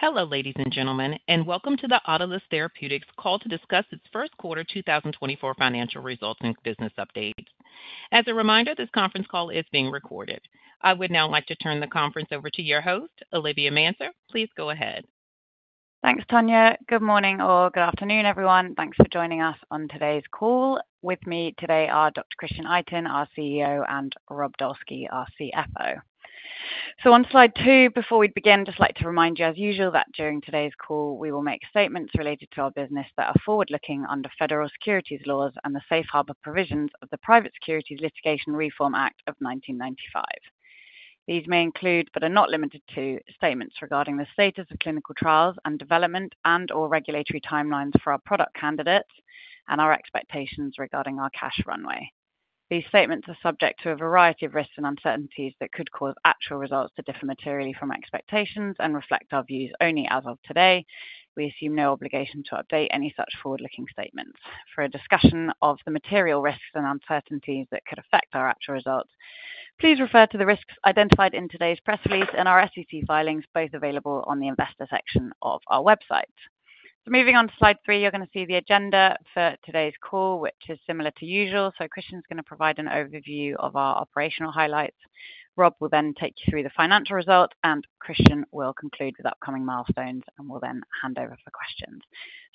Hello, ladies and gentlemen, and welcome to the Autolus Therapeutics call to discuss its first quarter 2024 financial results and business update. As a reminder, this conference call is being recorded. I would now like to turn the conference over to your host, Olivia Manser. Please go ahead. Thanks, Tanya. Good morning or good afternoon, everyone. Thanks for joining us on today's call. With me today are Dr. Christian Itin, our CEO, and Rob Dolski, our CFO. On slide two, before we begin, just like to remind you as usual, that during today's call, we will make statements related to our business that are forward-looking under federal securities laws and the safe harbor provisions of the Private Securities Litigation Reform Act of 1995. These may include, but are not limited to, statements regarding the status of clinical trials and development and/or regulatory timelines for our product candidates and our expectations regarding our cash runway. These statements are subject to a variety of risks and uncertainties that could cause actual results to differ materially from expectations and reflect our views only as of today. We assume no obligation to update any such forward-looking statements. For a discussion of the material risks and uncertainties that could affect our actual results, please refer to the risks identified in today's press release and our SEC filings, both available on the investor section of our website. Moving on to slide three, you're going to see the agenda for today's call, which is similar to usual. Christian's going to provide an overview of our operational highlights. Rob will then take you through the financial results, and Christian will conclude with upcoming milestones, and we'll then hand over for questions.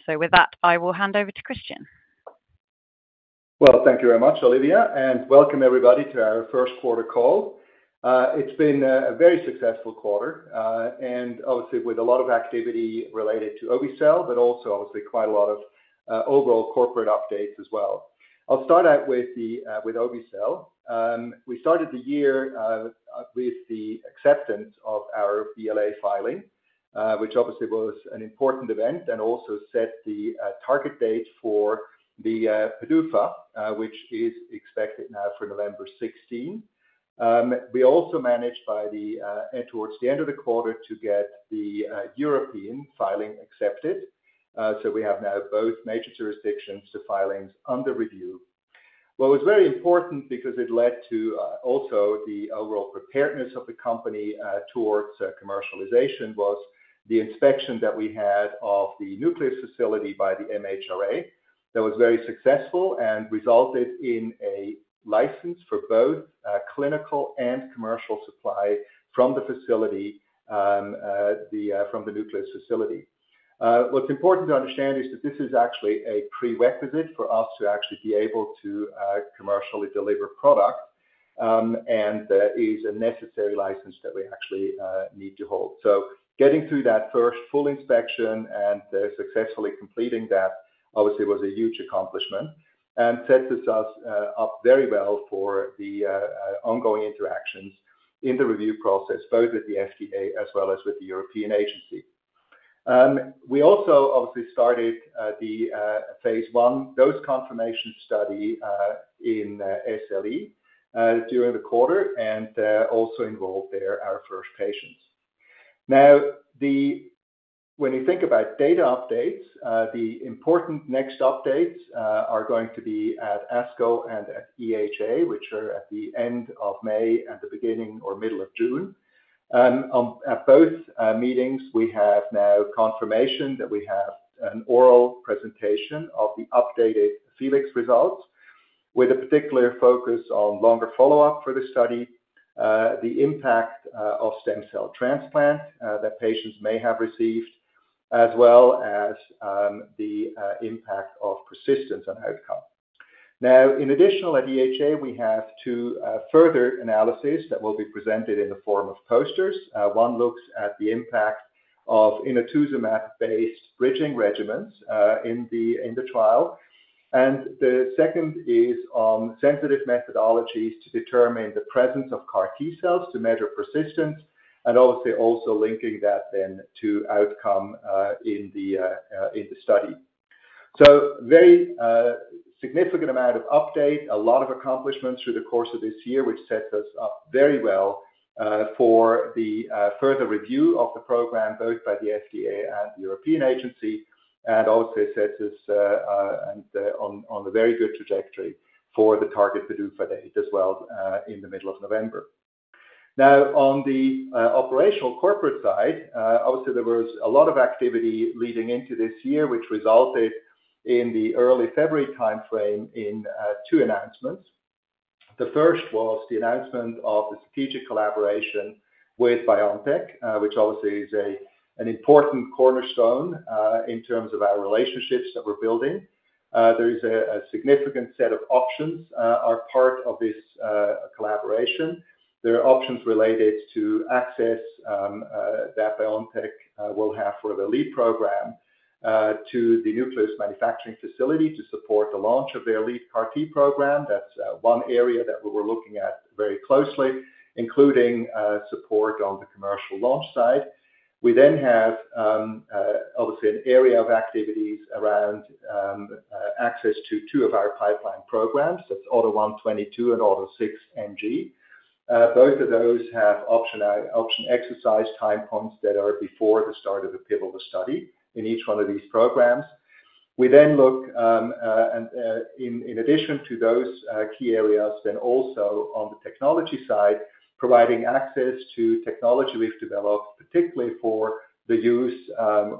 With that, I will hand over to Christian. Well, thank you very much, Olivia, and welcome everybody to our first quarter call. It's been a very successful quarter, and obviously with a lot of activity related to obe-cel, but also obviously quite a lot of overall corporate updates as well. I'll start out with obe-cel. We started the year with the acceptance of our BLA filing, which obviously was an important event and also set the target date for the PDUFA, which is expected now for November 16, 2024. We also managed, towards the end of the quarter, to get the European filing accepted. So we have now both major jurisdictions with filings under review. What was very important because it led to also the overall preparedness of the company towards commercialization was the inspection that we had of the Nucleus facility by the MHRA. That was very successful and resulted in a license for both clinical and commercial supply from the Nucleus facility. What's important to understand is that this is actually a prerequisite for us to actually be able to commercially deliver product, and that is a necessary license that we actually need to hold. So getting through that first full inspection and successfully completing that, obviously was a huge accomplishment and sets us up very well for the ongoing interactions in the review process, both with the FDA as well as with the European Agency. We also obviously started the phase I dose confirmation study in SLE during the quarter, and also involved there our first patients. Now, when you think about data updates, the important next updates are going to be at ASCO and at EHA, which are at the end of May and the beginning or middle of June. At both meetings, we have now confirmation that we have an oral presentation of the updated FELIX results, with a particular focus on longer follow-up for the study, the impact of stem cell transplant that patients may have received, as well as the impact of persistence on outcome. Now, in addition at EHA, we have two further analyses that will be presented in the form of posters. One looks at the impact of inotuzumab-based bridging regimens in the trial, and the second is on sensitive methodologies to determine the presence of CAR-T cells, to measure persistence, and obviously also linking that then to outcome in the study. So very significant amount of update, a lot of accomplishments through the course of this year, which sets us up very well for the further review of the program, both by the FDA and the European Agency, and also sets us and on a very good trajectory for the target PDUFA date as well in the middle of November. Now, on the operational corporate side, obviously, there was a lot of activity leading into this year, which resulted in the early February timeframe in two announcements. The first was the announcement of the strategic collaboration with BioNTech, which obviously is an important cornerstone in terms of our relationships that we're building. There is a significant set of options are part of this collaboration. There are options related to access that BioNTech will have for the lead program to the Nucleus manufacturing facility to support the launch of their lead CAR-T program. That's one area that we were looking at very closely, including support on the commercial launch side. We then have obviously an area of activities around access to two of our pipeline programs. That's AUTO1/22 and AUTO6NG. Both of those have option exercise time points that are before the start of the pivotal study in each one of these programs.... We then look and in addition to those key areas, then also on the technology side, providing access to technology we've developed, particularly for the use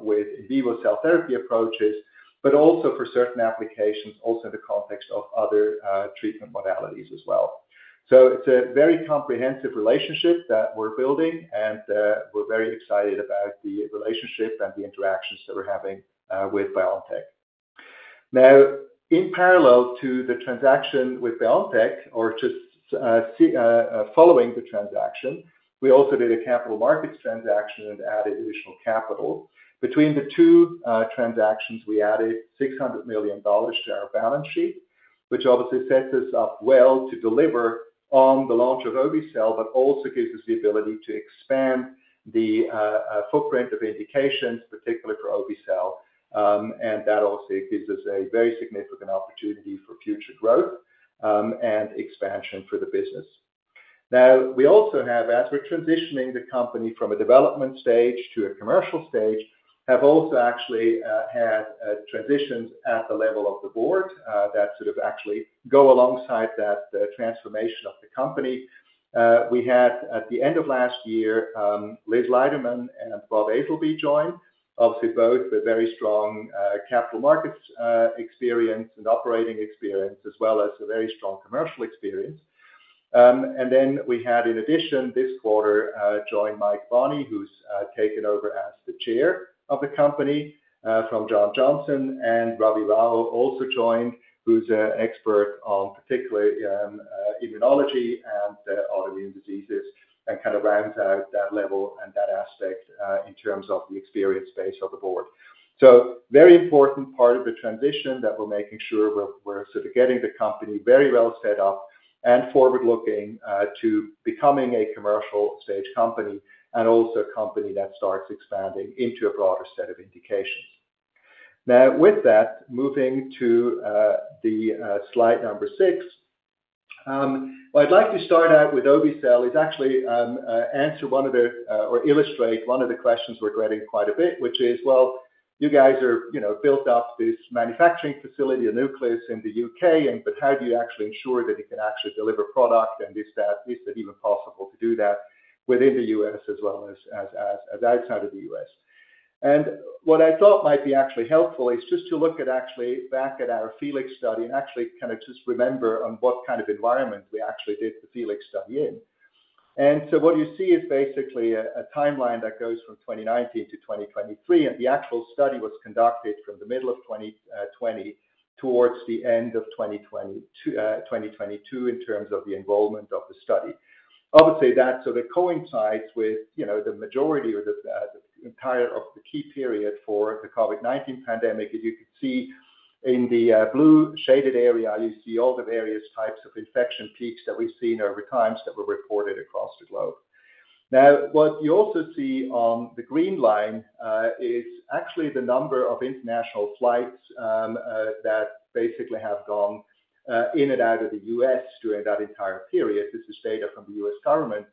with in vivo cell therapy approaches, but also for certain applications, also in the context of other treatment modalities as well. So it's a very comprehensive relationship that we're building, and we're very excited about the relationship and the interactions that we're having with BioNTech. Now, in parallel to the transaction with BioNTech, or just following the transaction, we also did a capital markets transaction and added additional capital. Between the two transactions, we added $600 million to our balance sheet, which obviously sets us up well to deliver on the launch of obe-cel, but also gives us the ability to expand the footprint of indications, particularly for obe-cel. And that also gives us a very significant opportunity for future growth and expansion for the business. Now, we also have, as we're transitioning the company from a development stage to a commercial stage, have also actually had transitions at the level of the board that sort of actually go alongside that transformation of the company. We had, at the end of last year, Liz Leiderman and Bob Azelby join. Obviously, both with very strong capital markets experience and operating experience, as well as a very strong commercial experience. And then we had, in addition, this quarter, joined Mike Bonney, who's taken over as the chair of the company, from John Johnson, and Ravi Rao also joined, who's an expert on particularly, immunology and the autoimmune diseases, and kind of rounds out that level and that aspect, in terms of the experience base of the board. So very important part of the transition that we're making sure we're sort of getting the company very well set up and forward-looking, to becoming a commercial stage company, and also a company that starts expanding into a broader set of indications. Now, with that, moving to, the, slide number six. What I'd like to start out with obe-cel is actually answer one of the or illustrate one of the questions we're getting quite a bit, which is, "Well, you guys are, you know, built up this manufacturing facility, the Nucleus in the U.K., and but how do you actually ensure that you can actually deliver product and this, that, is it even possible to do that within the U.S. as well as outside of the U.S.?" And what I thought might be actually helpful is just to look at actually back at our FELIX study and actually kind of just remember on what kind of environment we actually did the FELIX study in. So what you see is basically a timeline that goes from 2019 to 2023, and the actual study was conducted from the middle of 2020 towards the end of 2020 to 2022, in terms of the involvement of the study. Obviously, that sort of coincides with, you know, the majority or the entire of the key period for the COVID-19 pandemic. As you can see in the blue shaded area, you see all the various types of infection peaks that we've seen over times that were reported across the globe. Now, what you also see on the green line is actually the number of international flights that basically have gone in and out of the US during that entire period. This is data from the US government.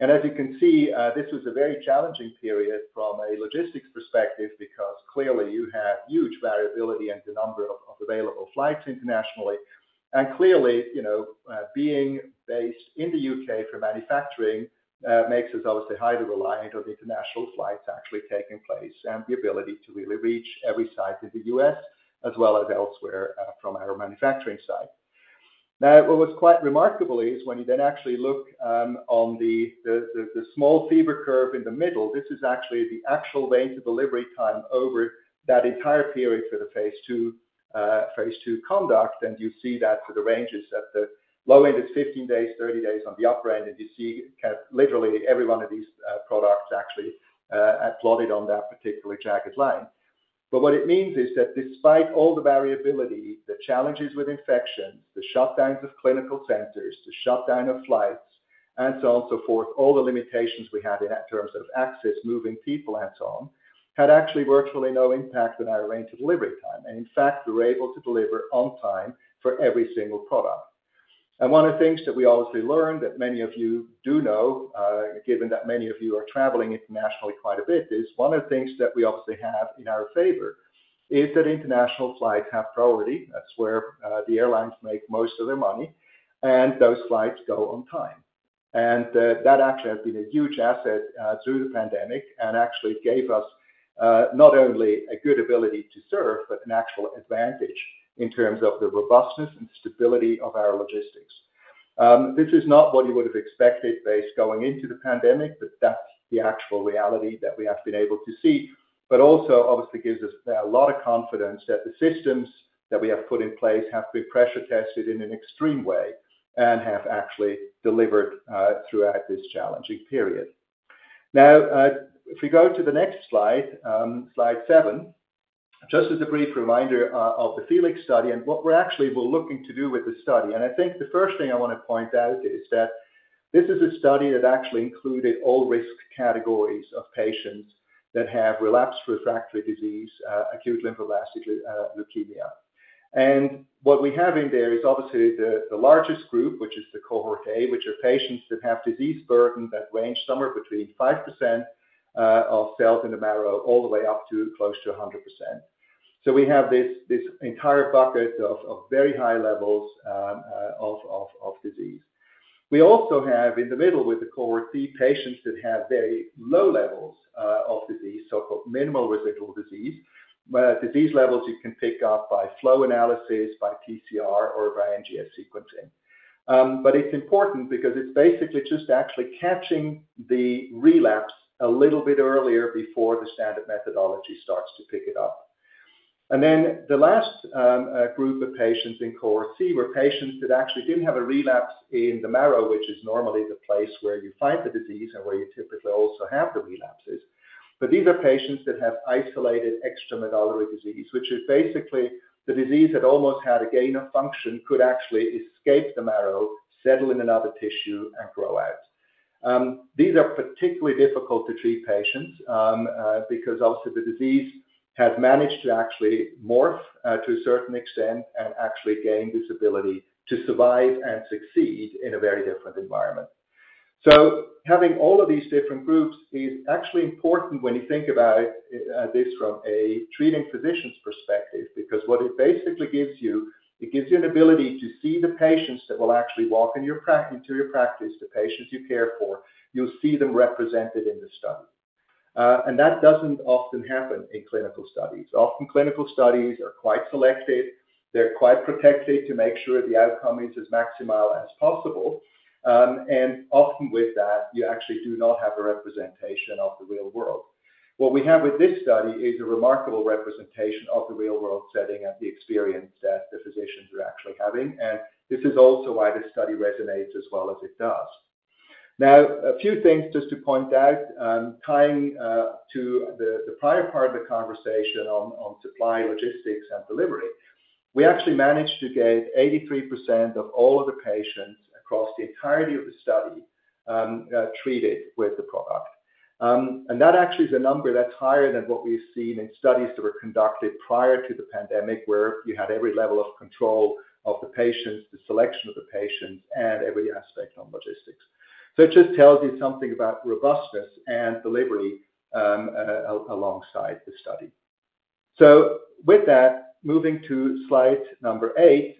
As you can see, this was a very challenging period from a logistics perspective, because clearly you have huge variability in the number of available flights internationally. Clearly, you know, being based in the U.K. for manufacturing makes us obviously highly reliant on international flights actually taking place and the ability to really reach every site in the U.S., as well as elsewhere, from our manufacturing site. Now, what was quite remarkable is when you then actually look on the small fever curve in the middle. This is actually the actual range of delivery time over that entire period for the phase II conduct. You see that for the ranges at the low end, it's 15-30 days on the upper end. You see kind of literally every one of these products actually have plotted on that particular jagged line. But what it means is that despite all the variability, the challenges with infections, the shutdowns of clinical centers, the shutdown of flights, and so on, so forth, all the limitations we had in that terms of access, moving people and so on, had actually virtually no impact on our range of delivery time. And in fact, we were able to deliver on time for every single product. And one of the things that we obviously learned, that many of you do know, given that many of you are traveling internationally quite a bit, is one of the things that we obviously have in our favor is that international flights have priority. That's where the airlines make most of their money, and those flights go on time. That actually has been a huge asset through the pandemic, and actually gave us not only a good ability to serve, but an actual advantage in terms of the robustness and stability of our logistics. This is not what you would have expected based going into the pandemic, but that's the actual reality that we have been able to see. Also, obviously, gives us a lot of confidence that the systems that we have put in place have been pressure tested in an extreme way and have actually delivered throughout this challenging period. Now, if we go to the next slide, slide seven, just as a brief reminder, of the FELIX study and what we're actually looking to do with the study, and I think the first thing I want to point out is that this is a study that actually included all risk categories of patients that have relapsed refractory disease, acute lymphoblastic leukemia. And what we have in there is obviously the largest group, which is the cohort A, which are patients that have disease burden that range somewhere between 5% of cells in the marrow, all the way up to close to 100%. So we have this entire bucket of disease. We also have in the middle with the cohort C, patients that have very low levels of disease, so-called minimal residual disease, where disease levels you can pick up by flow analysis, by PCR or by NGS sequencing. But it's important because it's basically just actually catching the relapse a little bit earlier before the standard methodology starts to pick it up. And then the last group of patients in cohort C were patients that actually didn't have a relapse in the marrow, which is normally the place where you find the disease and where you typically also have the relapses. But these are patients that have isolated extramedullary disease, which is basically the disease that almost had a gain of function, could actually escape the marrow, settle in another tissue, and grow out. These are particularly difficult to treat patients, because obviously the disease has managed to actually morph, to a certain extent and actually gain this ability to survive and succeed in a very different environment. So having all of these different groups is actually important when you think about it from a treating physician's perspective, because what it basically gives you, it gives you an ability to see the patients that will actually walk into your practice, the patients you care for, you'll see them represented in the study. And that doesn't often happen in clinical studies. Often, clinical studies are quite selective. They're quite protected to make sure the outcome is as maximal as possible. And often with that, you actually do not have a representation of the real world. What we have with this study is a remarkable representation of the real-world setting and the experience that the physicians are actually having, and this is also why this study resonates as well as it does. Now, a few things just to point out, tying to the prior part of the conversation on supply, logistics, and delivery. We actually managed to get 83% of all of the patients across the entirety of the study treated with the product. And that actually is a number that's higher than what we've seen in studies that were conducted prior to the pandemic, where you had every level of control of the patients, the selection of the patients, and every aspect on logistics. So it just tells you something about robustness and delivery alongside the study. So with that, moving to slide number eight,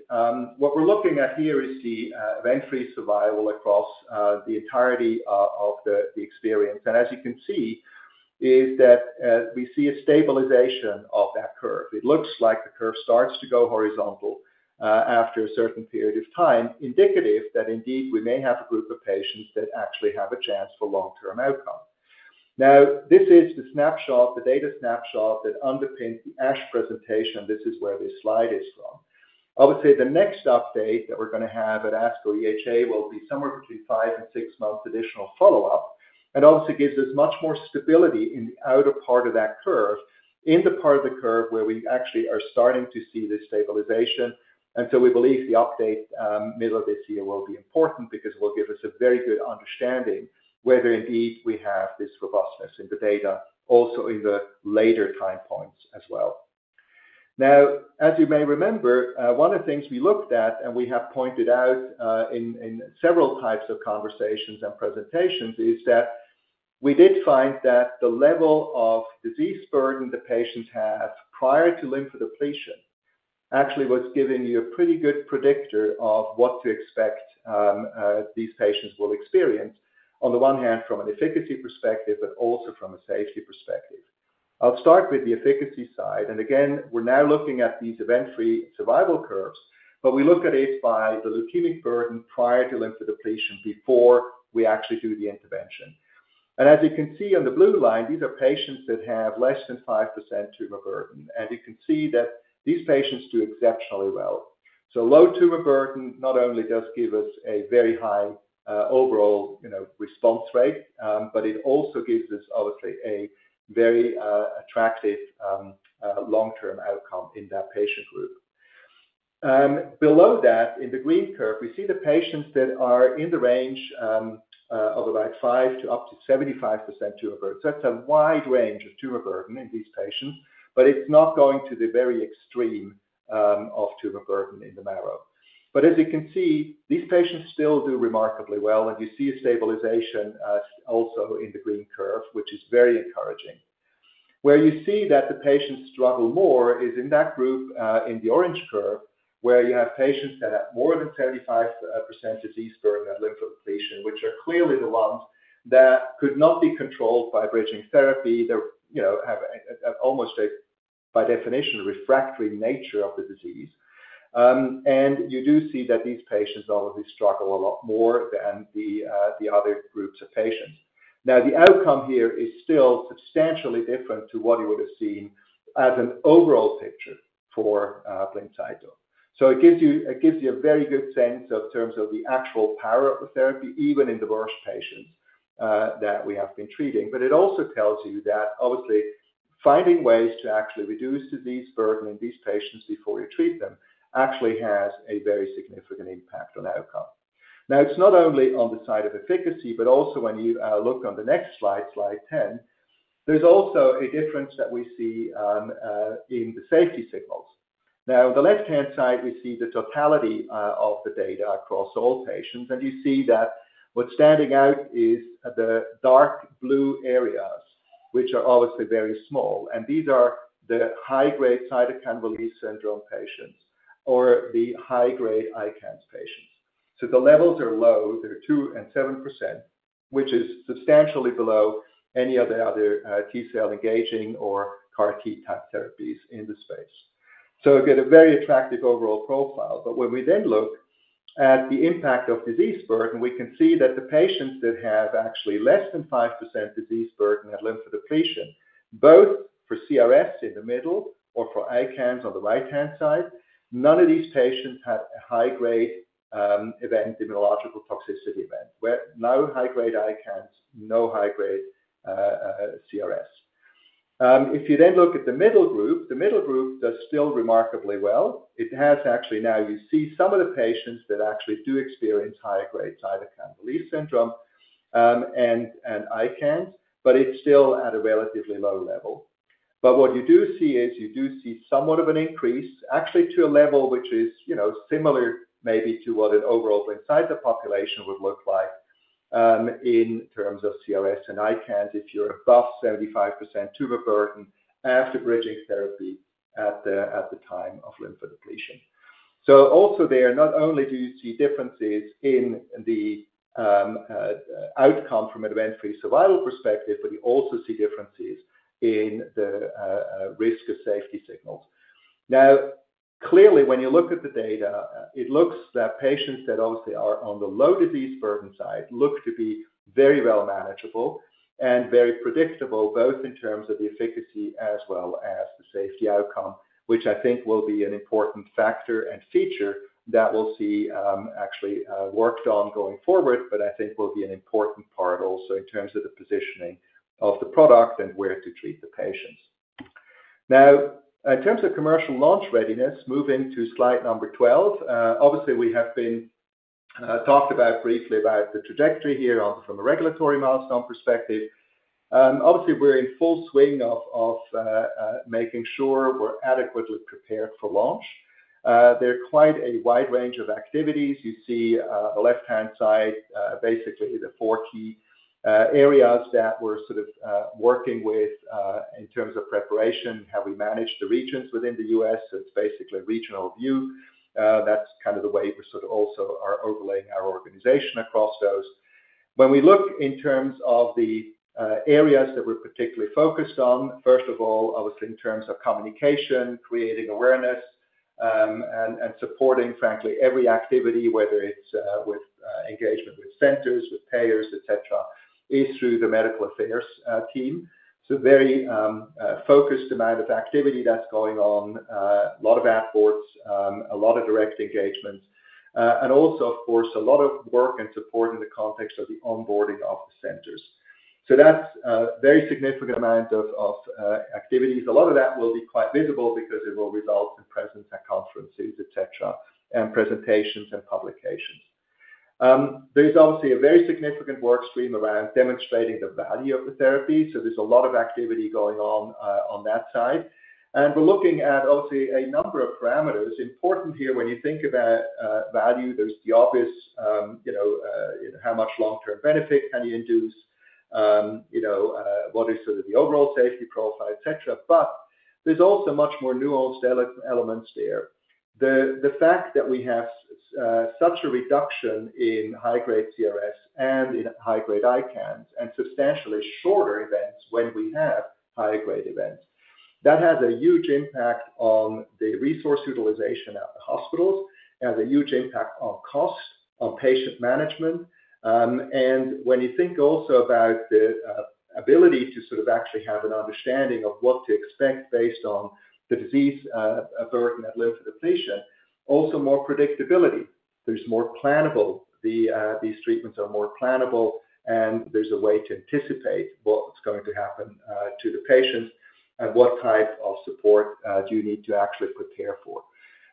what we're looking at here is the event-free survival across the entirety of the experience. As you can see, we see a stabilization of that curve. It looks like the curve starts to go horizontal after a certain period of time, indicative that indeed we may have a group of patients that actually have a chance for long-term outcome. Now, this is the snapshot, the data snapshot, that underpins the ASH presentation. This is where this slide is from. Obviously, the next update that we're gonna have at ASCO EHA will be somewhere between 5 and 6 months additional follow-up, and obviously gives us much more stability in the outer part of that curve, in the part of the curve where we actually are starting to see this stabilization. And so we believe the update, middle of this year will be important because it will give us a very good understanding whether indeed we have this robustness in the data, also in the later time points as well. Now, as you may remember, one of the things we looked at, and we have pointed out, in several types of conversations and presentations, is that we did find that the level of disease burden the patients have prior to lymphodepletion, actually was giving you a pretty good predictor of what to expect, these patients will experience, on the one hand, from an efficacy perspective, but also from a safety perspective. I'll start with the efficacy side, and again, we're now looking at these event-free survival curves, but we look at it by the leukemic burden prior to lymphodepletion, before we actually do the intervention. As you can see on the blue line, these are patients that have less than 5% tumor burden, and you can see that these patients do exceptionally well. Low tumor burden not only does give us a very high, overall, you know, response rate, but it also gives us obviously a very, attractive, long-term outcome in that patient group. Below that, in the green curve, we see the patients that are in the range, of about 5%-75% tumor burden. That's a wide range of tumor burden in these patients, but it's not going to the very extreme, of tumor burden in the marrow. As you can see, these patients still do remarkably well, and you see a stabilization, also in the green curve, which is very encouraging. Where you see that the patients struggle more is in that group, in the orange curve, where you have patients that have more than 75% disease burden at lymphodepletion, which are clearly the ones that could not be controlled by bridging therapy. They're, you know, have almost a by definition, refractory nature of the disease. You do see that these patients obviously struggle a lot more than the other groups of patients. Now, the outcome here is still substantially different to what you would have seen as an overall picture for Blincyto. So it gives you a very good sense in terms of the actual power of the therapy, even in the worst patients that we have been treating. But it also tells you that obviously, finding ways to actually reduce disease burden in these patients before you treat them actually has a very significant impact on outcome. Now, it's not only on the side of efficacy, but also when you look on the next slide, slide 10. There's also a difference that we see in the safety signals. Now, the left-hand side, we see the totality of the data across all patients, and you see that what's standing out is the dark blue areas, which are obviously very small, and these are the high-grade cytokine release syndrome patients or the high-grade ICANS patients. So the levels are low. They're 2% and 7%, which is substantially below any of the other T-cell engaging or CAR-T type therapies in the space. So again, a very attractive overall profile. But when we then look at the impact of disease burden, we can see that the patients that have actually less than 5% disease burden have lymphodepletion, both for CRS in the middle or for ICANS on the right-hand side. None of these patients had a high-grade event, immunological toxicity event, where no high-grade ICANS, no high-grade CRS. If you then look at the middle group, the middle group does still remarkably well. It has actually now you see some of the patients that actually do experience high-grade cytokine release syndrome, and ICANS, but it's still at a relatively low level. But what you do see is you do see somewhat of an increase, actually, to a level which is, you know, similar maybe to what an overall cytokine population would look like in terms of CRS and ICANS, if you're above 75% tumor burden after bridging therapy at the time of lymphodepletion. So also there, not only do you see differences in the outcome from event-free survival perspective, but you also see differences in the risk of safety signals. Now, clearly, when you look at the data, it looks that patients that obviously are on the low disease burden side look to be very well manageable and very predictable, both in terms of the efficacy as well as the safety outcome, which I think will be an important factor and feature that we'll see, actually, worked on going forward, but I think will be an important part also in terms of the positioning of the product and where to treat the patients. Now, in terms of commercial launch readiness, moving to slide number 12, obviously, we have been talked about briefly about the trajectory here on from a regulatory milestone perspective. Obviously, we're in full swing of making sure we're adequately prepared for launch. There are quite a wide range of activities. You see, the left-hand side, basically, the four key areas that we're sort of working with, in terms of preparation, how we manage the regions within the US. It's basically a regional view. That's kind of the way we sort of also are overlaying our organization across those. When we look in terms of the areas that we're particularly focused on, first of all, obviously, in terms of communication, creating awareness, and supporting, frankly, every activity, whether it's with engagement with centers, with payers, et cetera, is through the medical affairs team. So very focused amount of activity that's going on, a lot of efforts, a lot of direct engagement, and also, of course, a lot of work and support in the context of the onboarding of the centers. So that's a very significant amount of activities. A lot of that will be quite visible because it will result in presence at conferences, et cetera, and presentations and publications. There's obviously a very significant work stream around demonstrating the value of the therapy, so there's a lot of activity going on on that side. And we're looking at, obviously, a number of parameters. Important here, when you think about value, there's the obvious, you know, how much long-term benefit can you induce? You know, what is sort of the overall safety profile, et cetera. But there's also much more nuanced elements there. The fact that we have such a reduction in high-grade CRS and in high-grade ICANS, and substantially shorter events when we have high-grade events, that has a huge impact on the resource utilization at the hospitals, and a huge impact on costs, on patient management. And when you think also about the ability to sort of actually have an understanding of what to expect based on the disease burden at lymphodepletion, also more predictability. There's more plannable. These treatments are more plannable, and there's a way to anticipate what's going to happen to the patient and what type of support do you need to actually prepare for.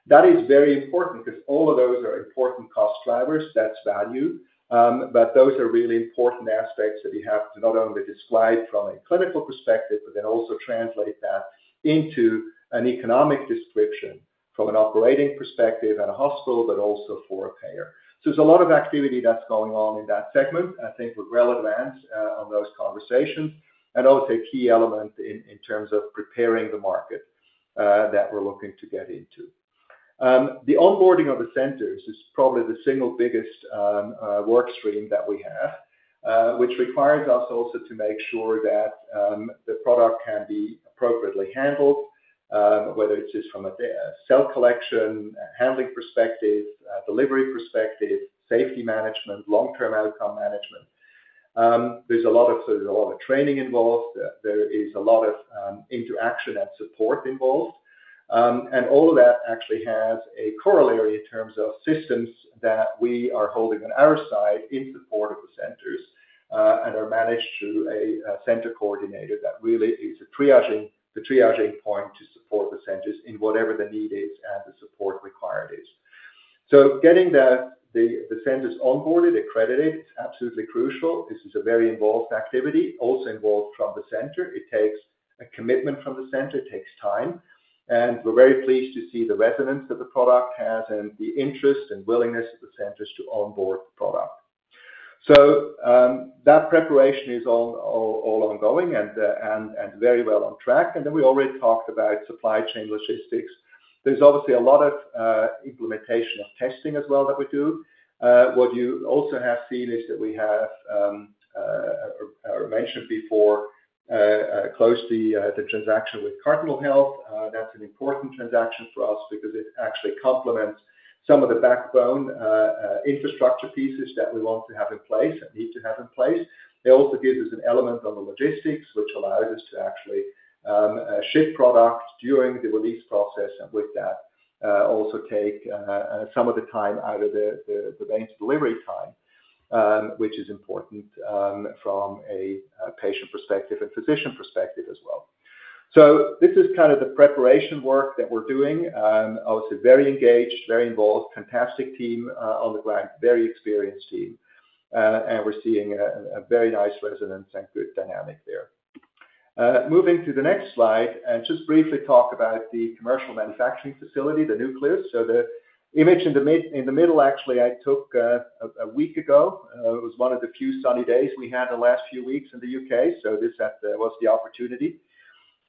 That is very important because all of those are important cost drivers. That's value. But those are really important aspects that we have to not only describe from a clinical perspective, but then also translate that into an economic description from an operating perspective at a hospital, but also for a payer. So there's a lot of activity that's going on in that segment, I think we're relevant on those conversations, and also a key element in terms of preparing the market that we're looking to get into. The onboarding of the centers is probably the single biggest work stream that we have, which requires us also to make sure that the product can be appropriately handled, whether it is from a cell collection, handling perspective, delivery perspective, safety management, long-term outcome management. There's a lot of training involved. There is a lot of interaction and support involved. And all of that actually has a corollary in terms of systems that we are holding on our side in support of the centers, and are managed through a center coordinator that really is the triaging point to support the centers in whatever the need is and the support required is. So getting the centers onboarded, accredited, is absolutely crucial. This is a very involved activity, also involved from the center. It takes a commitment from the center, it takes time, and we're very pleased to see the resonance that the product has and the interest and willingness of the centers to onboard the product. So that preparation is all ongoing and very well on track. And then we already talked about supply chain logistics. There's obviously a lot of implementation of testing as well that we do. What you also have seen is that we have, I mentioned before, closed the transaction with Cardinal Health. That's an important transaction for us because it actually complements some of the backbone infrastructure pieces that we want to have in place and need to have in place. It also gives us an element on the logistics, which allows us to actually ship product during the release process, and with that, also take some of the time out of the batch delivery time, which is important from a patient perspective and physician perspective as well. So this is kind of the preparation work that we're doing. Obviously, very engaged, very involved, fantastic team on the ground, very experienced team. And we're seeing a very nice resonance and good dynamic there. Moving to the next slide, and just briefly talk about the commercial manufacturing facility, the Nucleus. So the image in the middle, actually, I took a week ago. It was one of the few sunny days we had the last few weeks in the U.K., so this was the opportunity.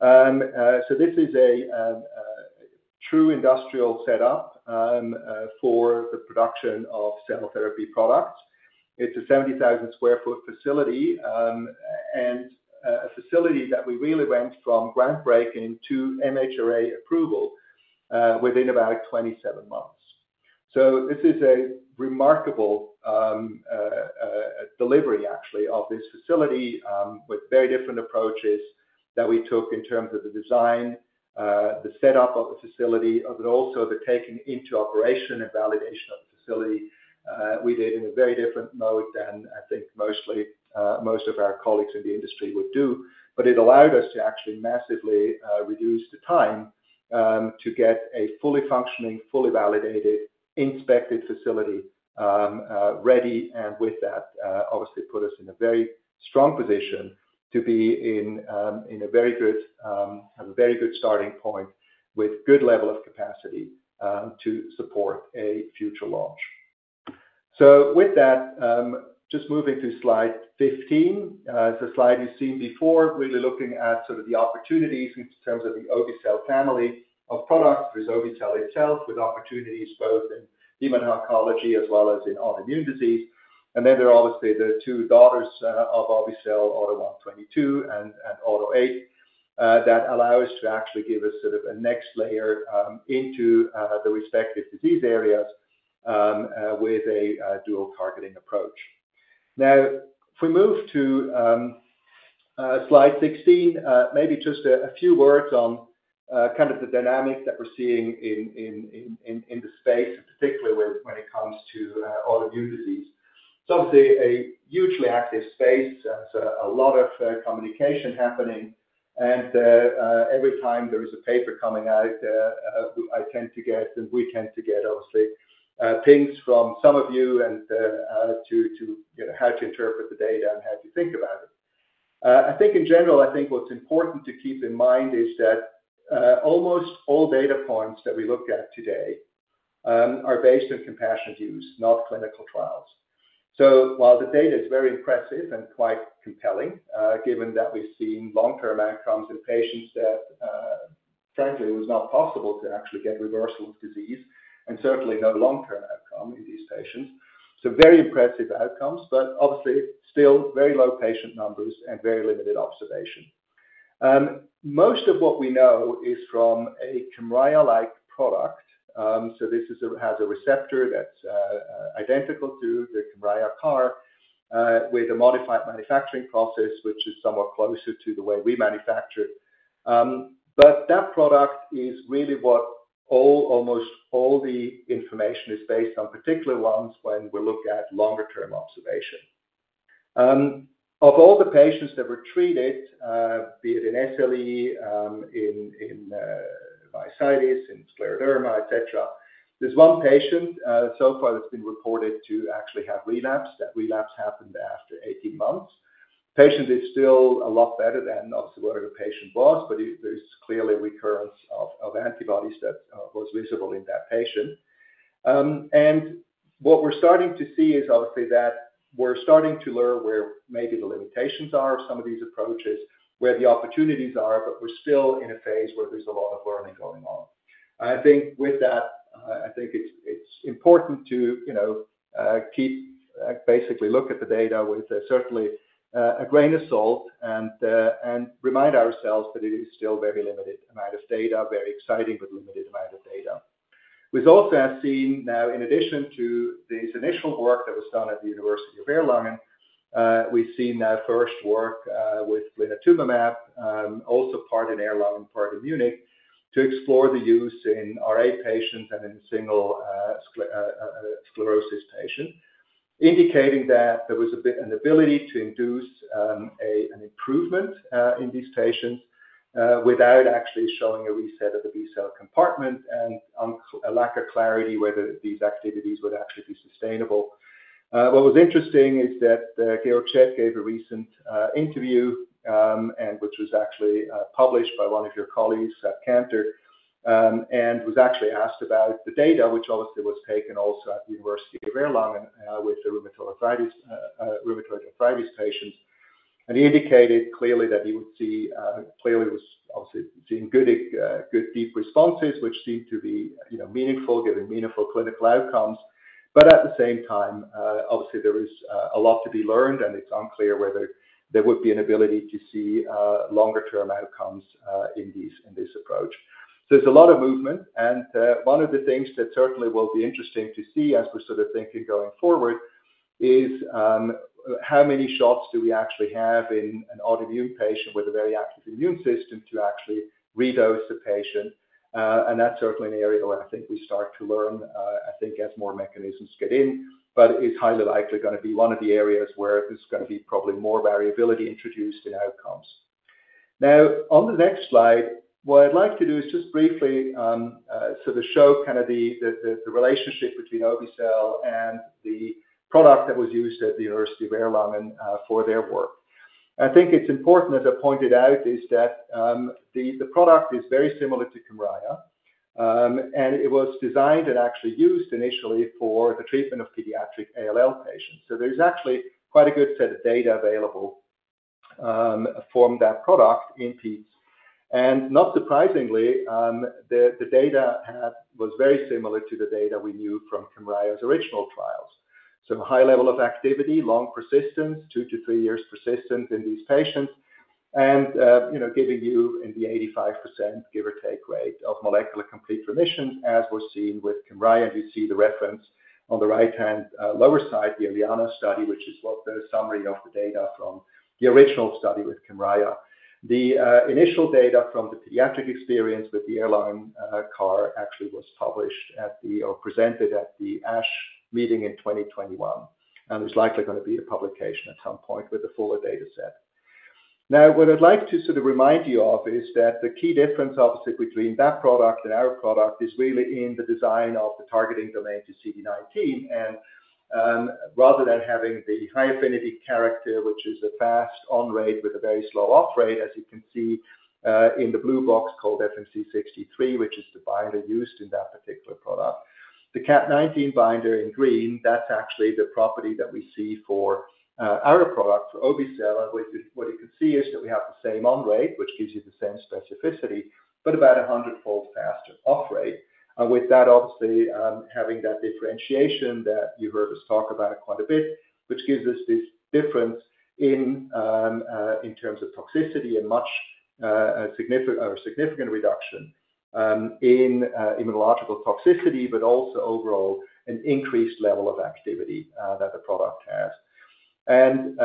So this is a true industrial setup for the production of cell therapy products. It's a 70,000 sq ft facility, and a facility that we really went from groundbreaking to MHRA approval within about 27 months. So this is a remarkable delivery actually, of this facility, with very different approaches that we took in terms of the design, the setup of the facility, but also the taking into operation and validation of the facility. We did in a very different mode than I think mostly, most of our colleagues in the industry would do, but it allowed us to actually massively reduce the time to get a fully functioning, fully validated, inspected facility ready. And with that, obviously put us in a very strong position to be in, in a very good, a very good starting point with good level of capacity to support a future launch. So with that, just moving to slide 15. It's a slide you've seen before, really looking at sort of the opportunities in terms of the obe-cel family of products. There's obe-cel itself, with opportunities both in hem-oncology as well as in autoimmune disease. And then there are obviously the two daughters of obe-cel, AUTO1/22 and AUTO8 that allow us to actually give us sort of a next layer into the respective disease areas with a dual targeting approach. Now, if we move to slide 16, maybe just a few words on kind of the dynamics that we're seeing in the space, particularly when it comes to autoimmune disease. So obviously a hugely active space. There's a lot of communication happening, and every time there is a paper coming out, I tend to get, and we tend to get, obviously, pings from some of you and to, to you know, how to interpret the data and how to think about it. I think in general, I think what's important to keep in mind is that almost all data points that we look at today are based on compassionate use, not clinical trials. So while the data is very impressive and quite compelling, given that we've seen long-term outcomes in patients that frankly, it was not possible to actually get reversal of disease and certainly no long-term outcome in these patients. So very impressive outcomes, but obviously still very low patient numbers and very limited observation. Most of what we know is from a Kymriah-like product. So this has a receptor that's identical to the Kymriah CAR, with a modified manufacturing process, which is somewhat closer to the way we manufacture it. But that product is really what all, almost all the information is based on, particularly when we look at longer term observation. Of all the patients that were treated, be it in SLE, in vasculitis, in scleroderma, et cetera, there's 1 patient so far that's been reported to actually have relapse. That relapse happened after 18 months. Patient is still a lot better than, obviously, where the patient was, but there's clearly a recurrence of antibodies that was visible in that patient. And what we're starting to see is obviously that we're starting to learn where maybe the limitations are of some of these approaches, where the opportunities are, but we're still in a phase where there's a lot of learning going on. I think with that, I think it's important to, you know, keep basically look at the data with certainly a grain of salt and remind ourselves that it is still very limited amount of data, very exciting, but limited amount of data. We've also seen now, in addition to this initial work that was done at the University of Erlangen, we've seen now first work with blinatumomab, also part in Erlangen, part of Munich, to explore the use in RA patients and in single, sclerosis patient, indicating that there was a bit, an ability to induce an improvement in these patients without actually showing a reset of the B-cell compartment and a lack of clarity whether these activities would actually be sustainable. What was interesting is that Georg Schett gave a recent interview, and which was actually published by one of your colleagues, at Cantor, and was actually asked about the data, which obviously was taken also at the University of Erlangen with the rheumatoid arthritis patients. And he indicated clearly that he would see clearly was obviously seeing good deep responses, which seemed to be, you know, meaningful, giving meaningful clinical outcomes. But at the same time, obviously there is a lot to be learned, and it's unclear whether there would be an ability to see longer-term outcomes in these- in this approach. So there's a lot of movement, and one of the things that certainly will be interesting to see as we're sort of thinking going forward is how many shots do we actually have in an autoimmune patient with a very active immune system to actually redose the patient? And that's certainly an area where I think we start to learn, I think, as more mechanisms get in. But it's highly likely gonna be one of the areas where there's gonna be probably more variability introduced in outcomes. Now, on the next slide, what I'd like to do is just briefly, sort of show kind of the relationship between obe-cel and the product that was used at the University of Erlangen, for their work. I think it's important, as I pointed out, that the product is very similar to Kymriah. And it was designed and actually used initially for the treatment of pediatric ALL patients. So there's actually quite a good set of data available, from that product in peds. And not surprisingly, the data was very similar to the data we knew from Kymriah's original trials. So high level of activity, long persistence, 2-3 years persistence in these patients, and, you know, giving you in the 85% give or take rate of molecular complete remission, as was seen with Kymriah. You see the reference on the right-hand, lower side, the ELIANA study, which is what the summary of the data from the original study with Kymriah. The initial data from the pediatric experience with the Erlangen, CAR actually was published at the... or presented at the ASH meeting in 2021, and there's likely gonna be a publication at some point with a fuller dataset. Now, what I'd like to sort of remind you of is that the key difference, obviously, between that product and our product is really in the design of the targeting domain to CD19. Rather than having the high-affinity character, which is a fast on-rate with a very slow off-rate, as you can see in the blue box called FMC63, which is the binder used in that particular product. The CAT19 binder in green, that's actually the property that we see for our product, for obe-cel, and what you can see is that we have the same on-rate, which gives you the same specificity, but about a hundredfold faster off-rate. With that, obviously, having that differentiation that you heard us talk about quite a bit, which gives us this difference in terms of toxicity and a much more significant reduction in immunological toxicity, but also overall an increased level of activity that the product has. And,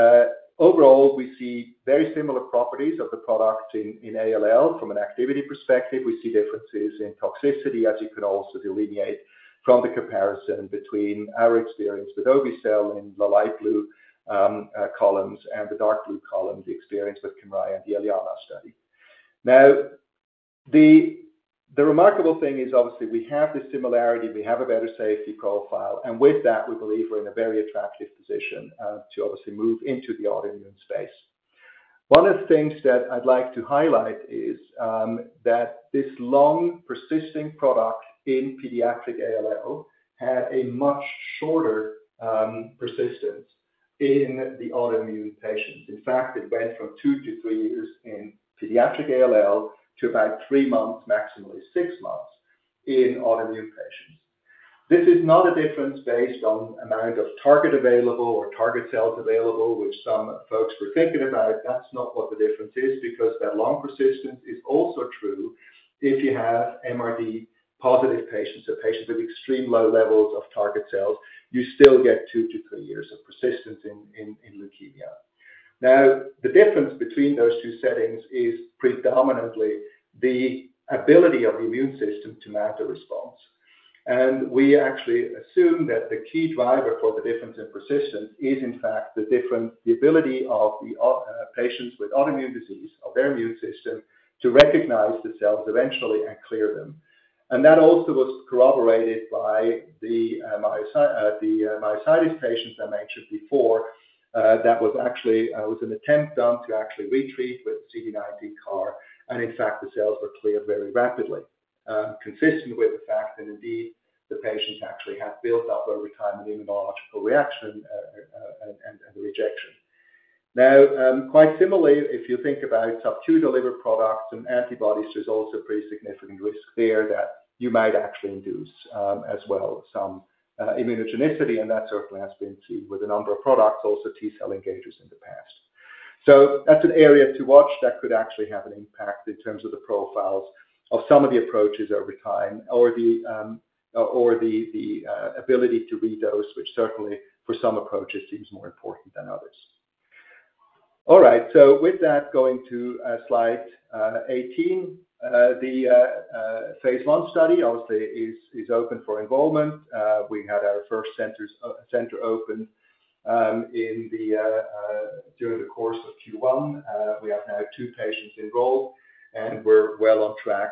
overall, we see very similar properties of the product in, in ALL from an activity perspective. We see differences in toxicity, as you can also delineate from the comparison between our experience with obe-cel in the light blue columns and the dark blue column, the experience with Kymriah and the ELIANA study. Now, the remarkable thing is, obviously, we have this similarity, we have a better safety profile, and with that we believe we're in a very attractive position to obviously move into the autoimmune space. One of the things that I'd like to highlight is that this long persisting product in pediatric ALL had a much shorter persistence in the autoimmune patients. In fact, it went from two to three years in pediatric ALL to about three months, maximally six months, in autoimmune patients. This is not a difference based on amount of target available or target cells available, which some folks were thinking about it. That's not what the difference is, because that long persistence is also true if you have MRD-positive patients or patients with extreme low levels of target cells, you still get 2-3 years of persistence in leukemia. Now, the difference between those two settings is predominantly the ability of the immune system to mount a response. And we actually assume that the key driver for the difference in persistence is, in fact, the ability of the patients with autoimmune disease, of their immune system, to recognize the cells eventually and clear them. And that also was corroborated by the myositis patients I mentioned before, that was actually an attempt done to actually retreat with CD19 CAR, and in fact, the cells were cleared very rapidly. Consistent with the fact that indeed, the patients actually had built up over time an immunological reaction and rejection. Now, quite similarly, if you think about subcu-delivered products and antibodies, there's also pretty significant risk there that you might actually induce as well some immunogenicity, and that certainly has been seen with a number of products, also T-cell engagers in the past. So that's an area to watch that could actually have an impact in terms of the profiles of some of the approaches over time or the ability to redose, which certainly for some approaches seems more important than others.... All right, so with that, going to slide 18. The phase I study obviously is open for enrollment. We had our first center open during the course of Q1. We have now 2 patients enrolled, and we're well on track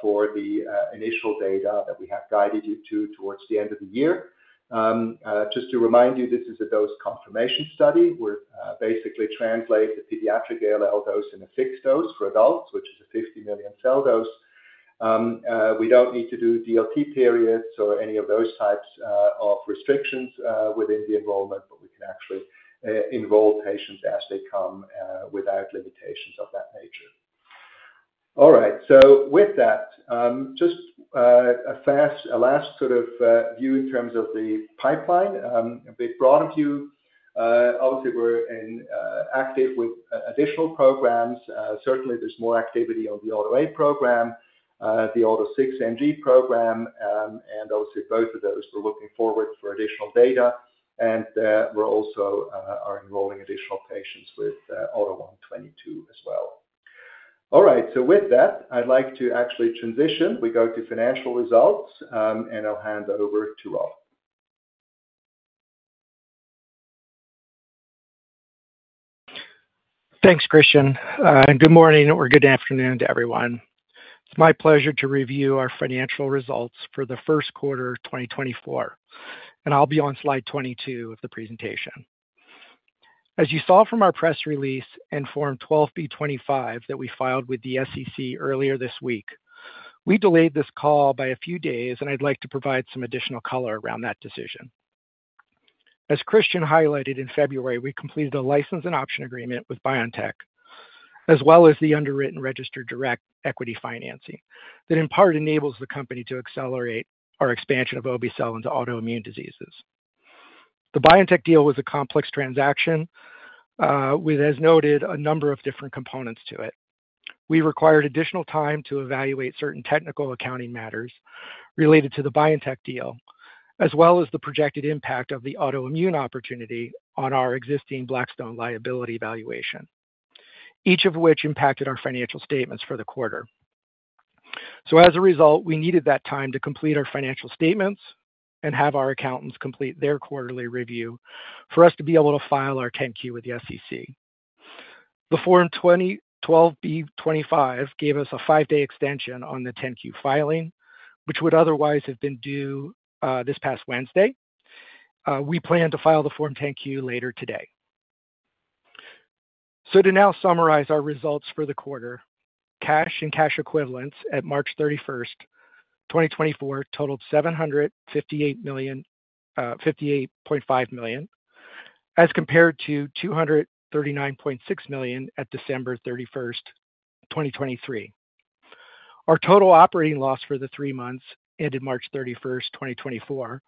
for the initial data that we have guided you to towards the end of the year. Just to remind you, this is a dose confirmation study. We're basically translate the pediatric ALL dose in a fixed dose for adults, which is a 50 million cell dose. We don't need to do DLT periods or any of those types of restrictions within the enrollment, but we can actually enroll patients as they come without limitations of that nature. All right, so with that, just a last sort of view in terms of the pipeline. A big broad view. Obviously, we're inactive with additional programs. Certainly there's more activity on the AUTO8 program, the AUTO6NG program, and obviously both of those we're looking forward for additional data. And we're also enrolling additional patients with AUTO1/22 as well. All right, so with that, I'd like to actually transition. We go to financial results, and I'll hand over to Rob. Thanks, Christian, and good morning or good afternoon to everyone. It's my pleasure to review our financial results for the first quarter of 2024, and I'll be on slide 22 of the presentation. As you saw from our press release and Form 10-Q that we filed with the SEC earlier this week, we delayed this call by a few days, and I'd like to provide some additional color around that decision. As Christian highlighted in February, we completed a license and option agreement with BioNTech, as well as the underwritten registered direct equity financing, that in part enables the company to accelerate our expansion of obe-cel into autoimmune diseases. The BioNTech deal was a complex transaction, with, as noted, a number of different components to it. We required additional time to evaluate certain technical accounting matters related to the BioNTech deal, as well as the projected impact of the autoimmune opportunity on our existing Blackstone liability valuation, each of which impacted our financial statements for the quarter. So as a result, we needed that time to complete our financial statements and have our accountants complete their quarterly review for us to be able to file our 10-Q with the SEC. The Form 12b-25 gave us a 5-day extension on the 10-Q filing, which would otherwise have been due, this past Wednesday. We plan to file the Form 10-Q later today. So to now summarize our results for the quarter, cash and cash equivalents at March 31, 2024, totaled $758.5 million, as compared to $239.6 million at December 31, 2023. Our total operating loss for the three months ended March 31, 2024,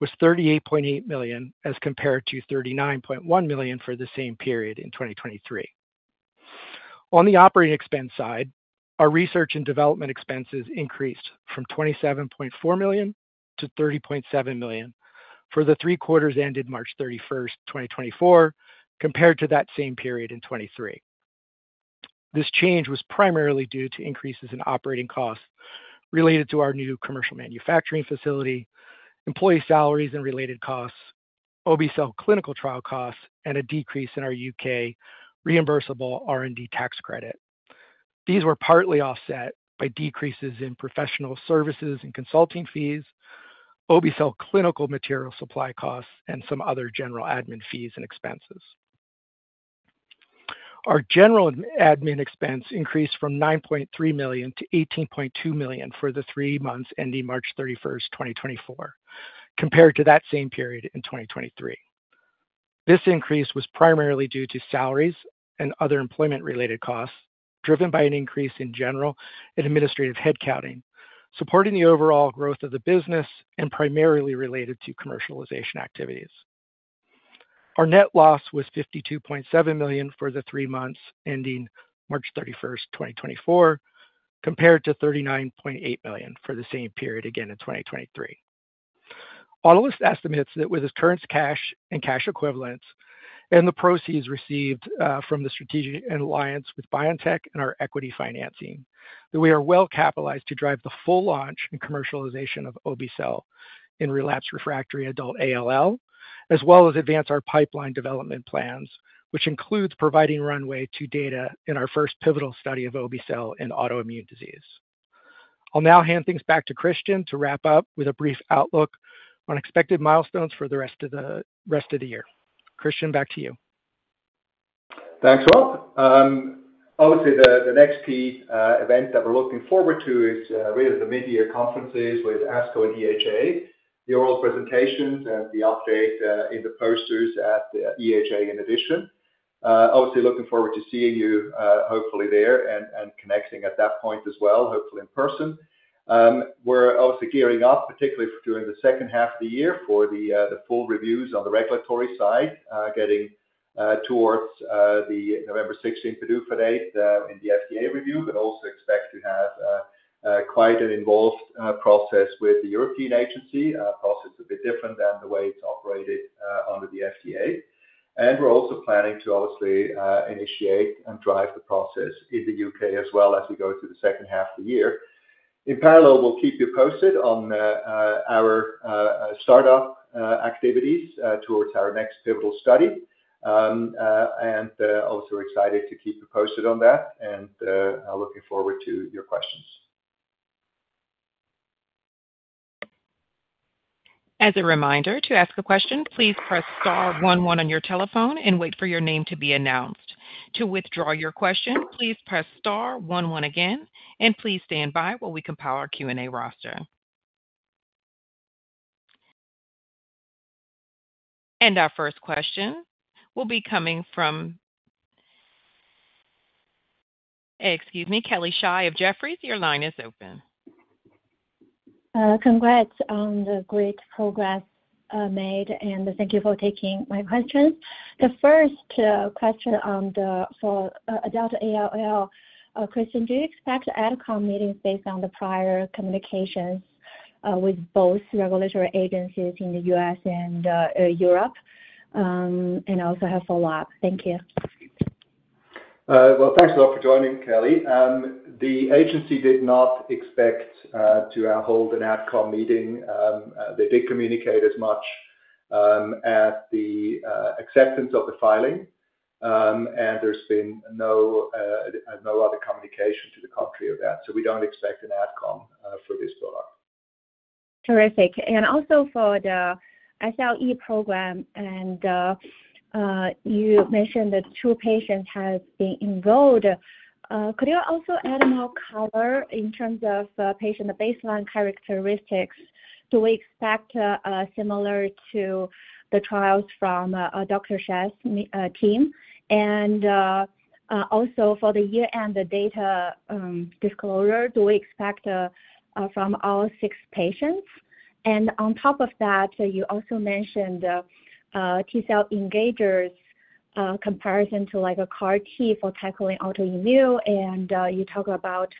was $38.8 million, as compared to $39.1 million for the same period in 2023. On the operating expense side, our research and development expenses increased from $27.4 million-$30.7 million for the three quarters ended March 31, 2024, compared to that same period in 2023. This change was primarily due to increases in operating costs related to our new commercial manufacturing facility, employee salaries and related costs, obe-cel clinical trial costs, and a decrease in our UK reimbursable R&D tax credit. These were partly offset by decreases in professional services and consulting fees, obe-cel clinical material supply costs, and some other general admin fees and expenses. Our general admin expense increased from $9.3 million-$18.2 million for the three months ending March 31, 2024, compared to that same period in 2023. This increase was primarily due to salaries and other employment-related costs, driven by an increase in general and administrative headcount, supporting the overall growth of the business and primarily related to commercialization activities. Our net loss was $52.7 million for the three months ending March 31, 2024, compared to $39.8 million for the same period again in 2023. Autolus estimates that with its current cash and cash equivalents and the proceeds received from the strategic alliance with BioNTech and our equity financing, that we are well capitalized to drive the full launch and commercialization of obe-cel in relapsed refractory adult ALL, as well as advance our pipeline development plans, which includes providing runway to data in our first pivotal study of obe-cel in autoimmune disease. I'll now hand things back to Christian to wrap up with a brief outlook on expected milestones for the rest of the year. Christian, back to you. Thanks, Rob. Obviously, the next key event that we're looking forward to is really the midyear conferences with ASCO and EHA, the oral presentations and the update in the posters at the EHA in addition. Obviously, looking forward to seeing you, hopefully there and connecting at that point as well, hopefully in person. We're also gearing up, particularly during the second half of the year, for the full reviews on the regulatory side, getting towards the November 16, 2024 PDUFA date in the FDA review, but also expect to have quite an involved process with the European agency. Our process is a bit different than the way it's operated under the FDA. We're also planning to obviously initiate and drive the process in the UK as well as we go through the second half of the year. In parallel, we'll keep you posted on our startup activities towards our next pivotal study. Also excited to keep you posted on that, and looking forward to your questions. As a reminder, to ask a question, please press star one one on your telephone and wait for your name to be announced. To withdraw your question, please press star one one again, and please stand by while we compile our Q&A roster. Our first question will be coming from... Excuse me, Kelly Shi of Jefferies, your line is open. Congrats on the great progress made, and thank you for taking my question. The first question on adult ALL, Christian, do you expect AdCom meetings based on the prior communications with both regulatory agencies in the U.S. and Europe, and also have follow-up? Thank you. Well, thanks a lot for joining, Kelly. The agency did not expect to hold an AdCom meeting. They did communicate as much at the acceptance of the filing, and there's been no other communication to the contrary of that. So we don't expect an AdCom for this product. Terrific. And also for the SLE program, and, you mentioned that two patients have been enrolled. Could you also add more color in terms of, patient baseline characteristics? Do we expect, similar to the trials from, Dr. Schett's team? And, also, for the year-end, the data, disclosure, do we expect, from all six patients? And on top of that, you also mentioned, T-cell engagers, comparison to like a CAR-T for tackling autoimmune, and, you talk about,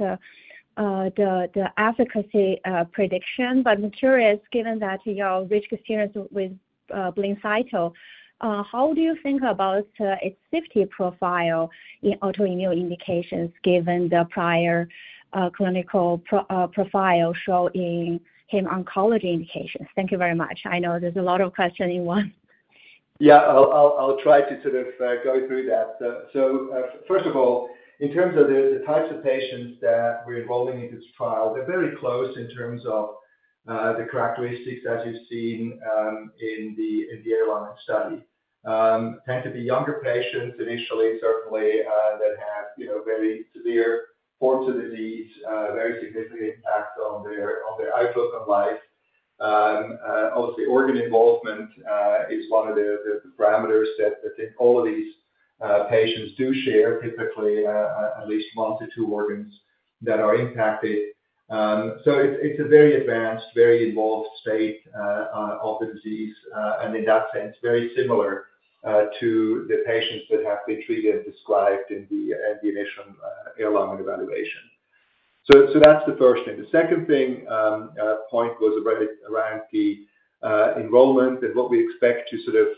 the efficacy, prediction. But I'm curious, given that your rich experience with, Blincyto, how do you think about, its safety profile in autoimmune indications, given the prior, clinical profile shown in hem-oncology indications? Thank you very much. I know there's a lot of questions in one. Yeah, I'll try to sort of go through that. So, first of all, in terms of the types of patients that we're enrolling in this trial, they're very close in terms of the characteristics as you've seen in the ELIANA study. Tend to be younger patients initially, certainly that have, you know, very severe forms of disease, very significant impact on their outlook on life. Obviously, organ involvement is one of the parameters that I think all of these patients do share, typically at least one to two organs that are impacted. So it's a very advanced, very involved state of the disease, and in that sense, very similar to the patients that have been treated and described in the initial ELIANA evaluation. So that's the first thing. The second thing point was around the enrollment and what we expect to sort of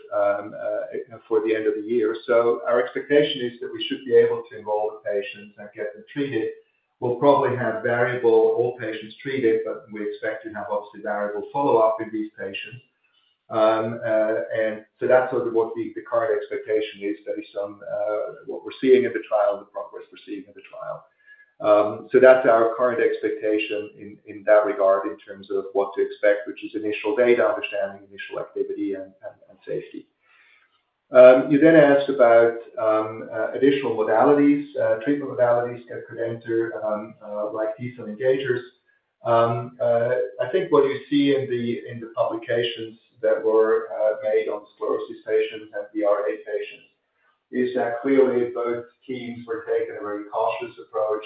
for the end of the year. So our expectation is that we should be able to enroll the patients and get them treated. We'll probably have all patients treated, but we expect to have obviously variable follow-up with these patients. And so that's sort of what the current expectation is, that is, what we're seeing in the trial, the progress we're seeing in the trial. So that's our current expectation in that regard, in terms of what to expect, which is initial data understanding, initial activity, and safety. You then asked about additional modalities, treatment modalities that could enter, like T-cell engagers. I think what you see in the publications that were made on sclerosis patients and SLE patients is that clearly both teams were taking a very cautious approach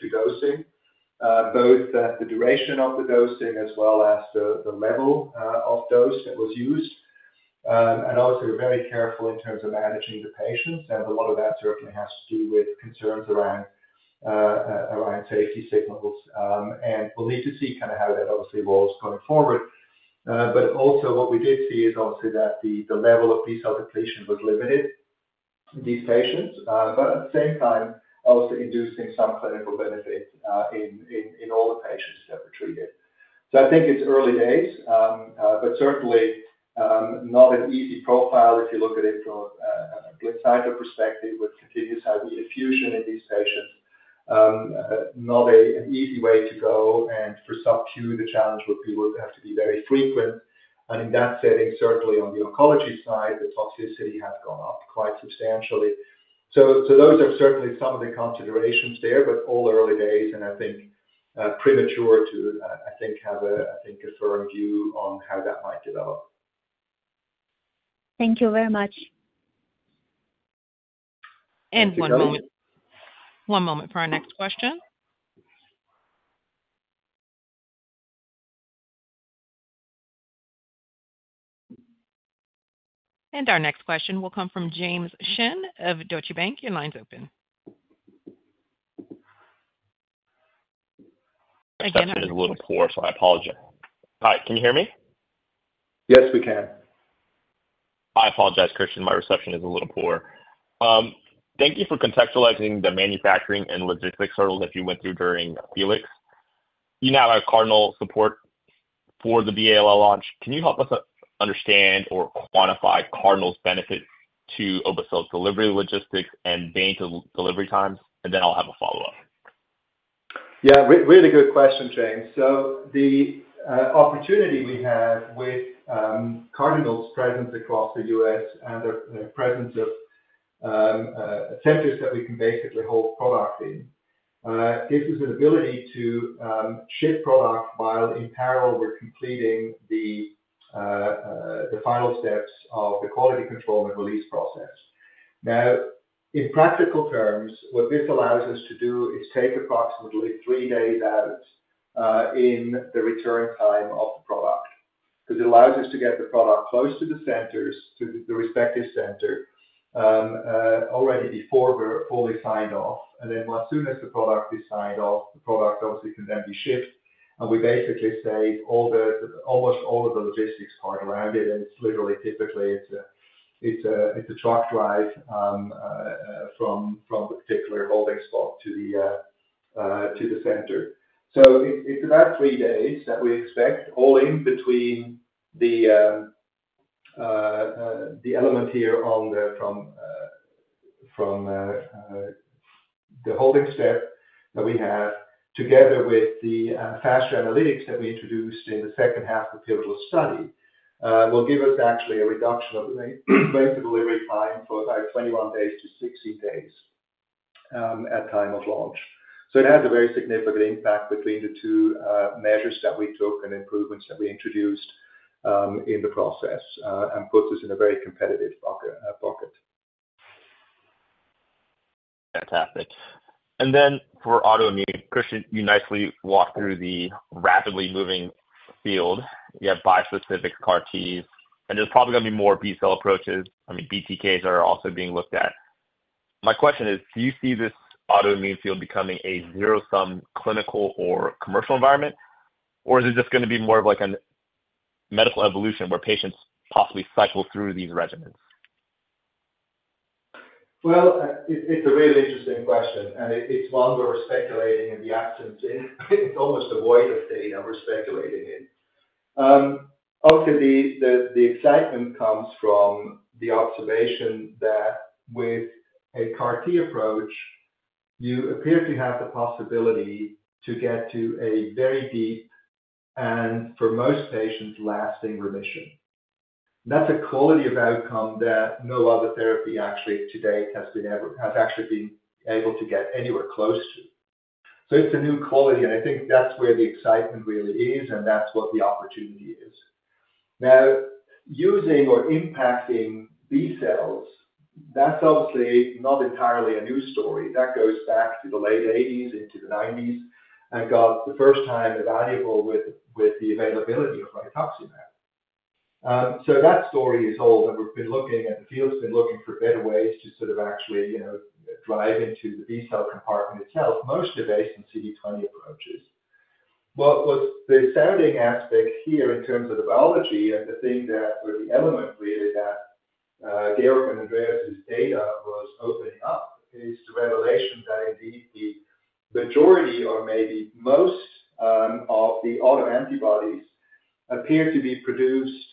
to dosing. Both the duration of the dosing as well as the level of dose that was used. And also very careful in terms of managing the patients, and a lot of that certainly has to do with concerns around safety signals. And we'll need to see kinda how that obviously evolves going forward. But also what we did see is also that the level of T-cell depletion was limited in these patients, but at the same time, also inducing some clinical benefit, in all the patients that were treated. So I think it's early days, but certainly, not an easy profile if you look at it from a good side or perspective with continuous high efficacy in these patients. Not an easy way to go, and for sub-Q, the challenge would be, would have to be very frequent. And in that setting, certainly on the oncology side, the toxicity has gone up quite substantially. So those are certainly some of the considerations there, but all early days, and I think premature to have a firm view on how that might develop. Thank you very much. One moment. One moment for our next question. Our next question will come from James Shin of Deutsche Bank. Your line's open. Reception is a little poor, so I apologize. Hi, can you hear me? Yes, we can. I apologize, Christian. My reception is a little poor. Thank you for contextualizing the manufacturing and logistics hurdles that you went through during FELIX. You now have Cardinal support for the ALL launch. Can you help us understand or quantify Cardinal's benefit to obe-cel's delivery, logistics, and day delivery times? And then I'll have a follow-up. Yeah, really good question, James. So the opportunity we have with Cardinal's presence across the U.S. and the presence of centers that we can basically hold product in gives us an ability to ship product while in parallel with completing the final steps of the quality control and release process. Now, in practical terms, what this allows us to do is take approximately three days out in the return time of the product, because it allows us to get the product close to the centers, to the respective center already before we're fully signed off, and then as soon as the product is signed off, the product obviously can then be shipped. We basically say, all the, almost all of the logistics are grounded, and it's literally, typically, it's a truck drive from the particular holding spot to the center. So it's about 3 days that we expect, all in between the element here on the from the holding step that we have, together with the faster analytics that we introduced in the second half of the pivotal study, will give us actually a reduction of the delivery time from about 21 days to 60 days at time of launch. So it has a very significant impact between the 2 measures that we took and improvements that we introduced in the process, and puts us in a very competitive pocket. Fantastic. And then for autoimmune, Christian, you nicely walked through the rapidly moving field. You have bispecific CAR-Ts, and there's probably going to be more B-cell approaches. I mean, BTKs are also being looked at. My question is: Do you see this autoimmune field becoming a zero-sum clinical or commercial environment, or is it just going to be more of like a medical evolution, where patients possibly cycle through these regimens? Well, it's a really interesting question, and it's one we're speculating in the absence of; it's almost a void of data we're speculating in. Obviously, the excitement comes from the observation that with a CAR-T approach, you appear to have the possibility to get to a very deep, and for most patients, lasting remission. That's a quality of outcome that no other therapy actually today has actually been able to get anywhere close to. So it's a new quality, and I think that's where the excitement really is, and that's what the opportunity is. Now, using or impacting B cells, that's obviously not entirely a new story. That goes back to the late 1980s, into the 1990s, and got for the first time valuable with the availability of rituximab. So that story is old, and we've been looking, and the field's been looking for better ways to sort of actually, you know, drive into the B-cell compartment itself, most of the ways in CD20 approaches. Well, what the exciting aspect here in terms of the biology and the thing that, or the element really, that, Georg and Andreas' data was opening up, is the revelation that indeed the majority or maybe most, of the autoantibodies appear to be produced,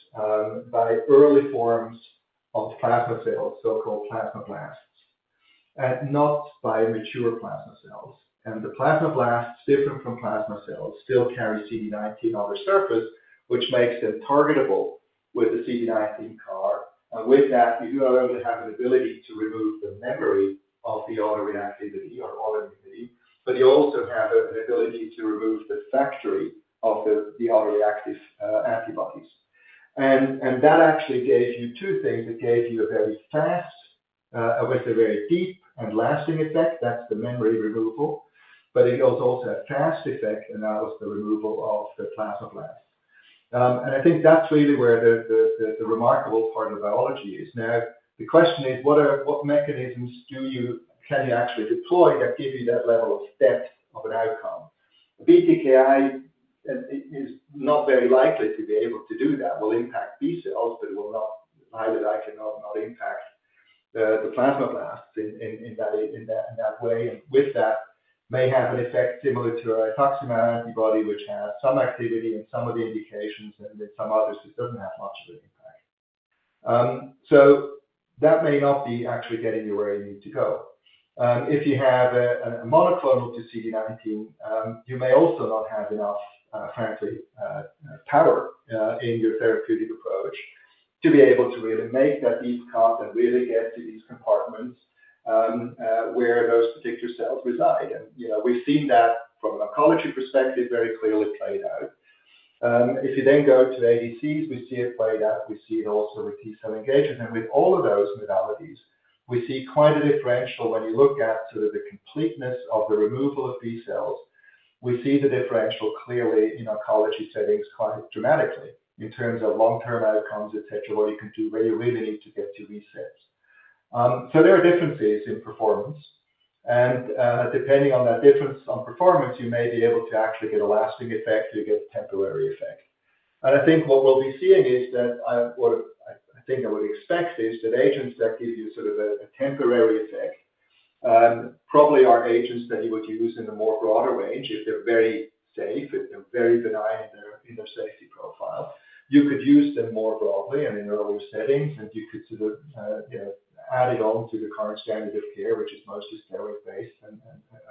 by early forms of plasma cells, so-called plasmablasts, and not by mature plasma cells. And the plasmablasts, different from plasma cells, still carry CD19 on the surface, which makes them targetable with the CD19 CAR. With that, we do not only have an ability to remove the memory of the autoreactivity or autoimmunity, but you also have the ability to remove the factory of the autoreactive antibodies. And that actually gave you two things. It gave you a very fast, with a very deep and lasting effect, that's the memory removal, but it also has a fast effect, and that was the removal of the plasmablast. And I think that's really where the remarkable part of the biology is. Now, the question is: What mechanisms can you actually deploy that give you that level of depth of an outcome? BTKI is not very likely to be able to do that, will impact B cells, but it will not impact the plasmablasts in that way, and with that, may have an effect similar to a rituximab antibody, which has some activity in some of the indications, and then some others, it doesn't have much of an impact. So that may not actually be getting you where you need to go. If you have a monoclonal to CD19, you may also not have enough, frankly, power in your therapeutic approach to be able to really make that escape and really get to these compartments, where those particular cells reside. And, you know, we've seen that from an oncology perspective, very clearly played out. If you then go to the ADCs, we see it played out, we see it also with T-cell engagement, and with all of those modalities, we see quite a differential when you look at sort of the completeness of the removal of B cells. We see the differential clearly in oncology settings quite dramatically in terms of long-term outcomes, et cetera, et cetera, what you can do, where you really need to get to resets. So there are differences in performance, and, depending on that difference on performance, you may be able to actually get a lasting effect, you get a temporary effect. And I think what we'll be seeing is that, what I think I would expect is that agents that give you sort of a temporary effect, probably are agents that you would use in a more broader range. If they're very safe, if they're very benign in their safety profile, you could use them more broadly and in early settings, and you could sort of, you know, add it on to the current standard of care, which is mostly steroid-based and,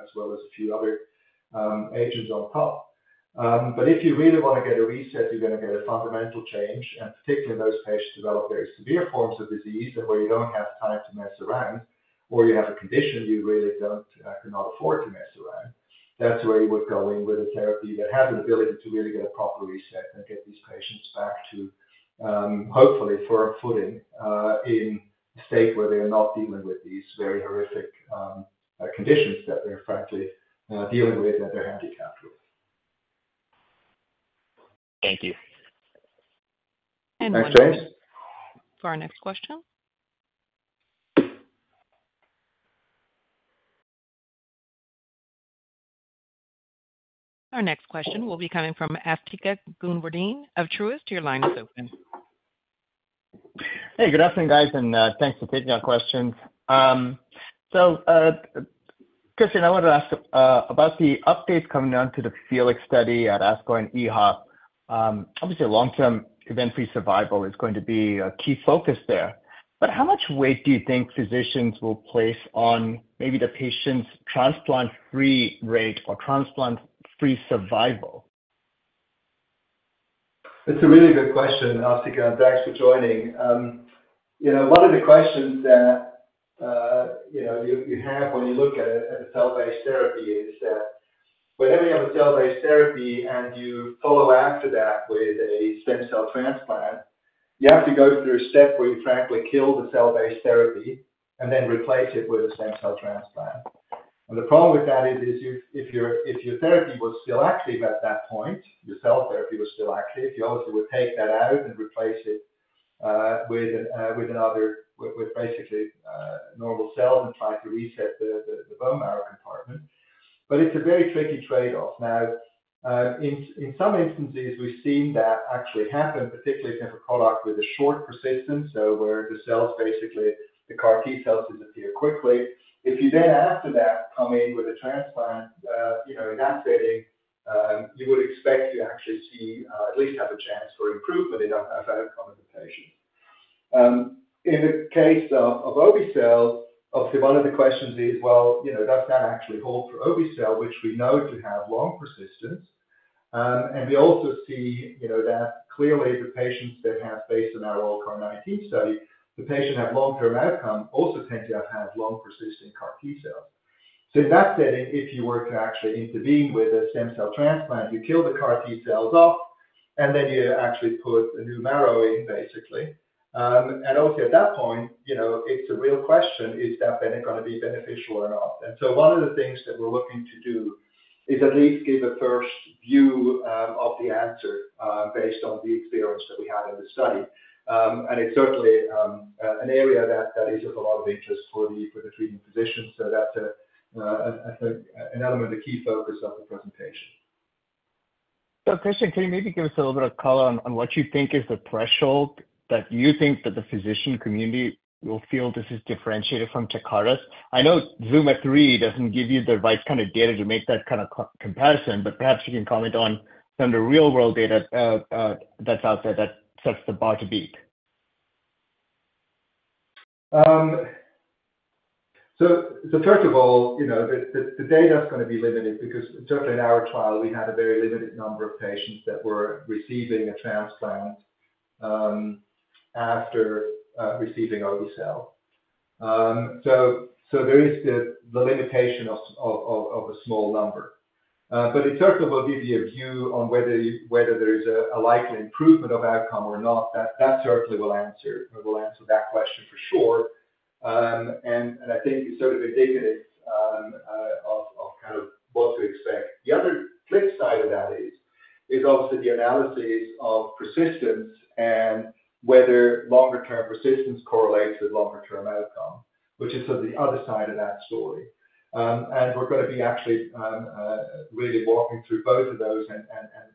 as well as a few other agents on top. But if you really want to get a reset, you're gonna get a fundamental change, and particularly those patients develop very severe forms of disease and where you don't have time to mess around, or you have a condition you really cannot afford to mess around. That's where you would go in with a therapy that has the ability to really get a proper reset and get these patients back to, hopefully, firm footing, in a state where they are not dealing with these very horrific conditions that they're frankly dealing with and they're handicapped with. Thank you. Thanks, James. One moment. For our next question. Our next question will be coming from Asthika Goonewardene of Truist. Your line is open. Hey, good afternoon, guys, and thanks for taking our questions. So, Christian, I wanted to ask about the updates coming down to the FELIX study at ASCO and EHA. Obviously, long-term event-free survival is going to be a key focus there, but how much weight do you think physicians will place on maybe the patient's transplant-free rate or transplant-free survival? It's a really good question, Asthika, and thanks for joining. You know, one of the questions that, you know, you, you have when you look at a, at a cell-based therapy is that whenever you have a cell-based therapy and you follow after that with a stem cell transplant, you have to go through a step where you frankly kill the cell-based therapy and then replace it with a stem cell transplant. And the problem with that is, is you-- if your, if your therapy was still active at that point, your cell therapy was still active, you also would take that out and replace it, with, with another, with, with basically, normal cells and try to reset the, the, the bone marrow compartment. But it's a very tricky trade-off. Now, in some instances, we've seen that actually happen, particularly if you have a product with a short persistence, so where the cells, basically, the CAR-T cells disappear quickly. If you then, after that, come in with a transplant, you know, in that setting, you would expect to actually see, at least have a chance for improvement in outcome of the patient. In the case of obe-cel, obviously one of the questions is, well, you know, does that actually hold for obe-cel, which we know to have long persistence? And we also see, you know, that clearly the patients that have, based on our ALL CAR-19 study, the patient have long-term outcome, also tend to have long-persistent CAR-T cells. So in that setting, if you were to actually intervene with a stem cell transplant, you kill the CAR-T cells off, and then you actually put a new marrow in, basically. And also at that point, you know, it's a real question: Is that then gonna be beneficial or not? And so one of the things that we're looking to do is at least give a first view of the answer based on the experience that we had in the study. And it's certainly an area that is of a lot of interest for the treating physicians. So that's a, I think, an element, a key focus of the presentation. So, Christian, can you maybe give us a little bit of color on what you think is the threshold that you think that the physician community will feel this is differentiated from Kymriah's? I know Zuma-3 doesn't give you the right kind of data to make that kind of comparison, but perhaps you can comment on some of the real-world data that's out there that sets the bar to beat. So, first of all, you know, the data is gonna be limited because certainly in our trial, we had a very limited number of patients that were receiving a transplant after receiving obe-cel. So there is the limitation of a small number. But it certainly will give you a view on whether there is a likely improvement of outcome or not. That certainly will answer that question for sure. And I think you sort of indicated it of kind of what to expect. The other flip side of that is also the analysis of persistence and whether longer-term persistence correlates with longer-term outcome, which is sort of the other side of that story. And we're gonna be actually really walking through both of those and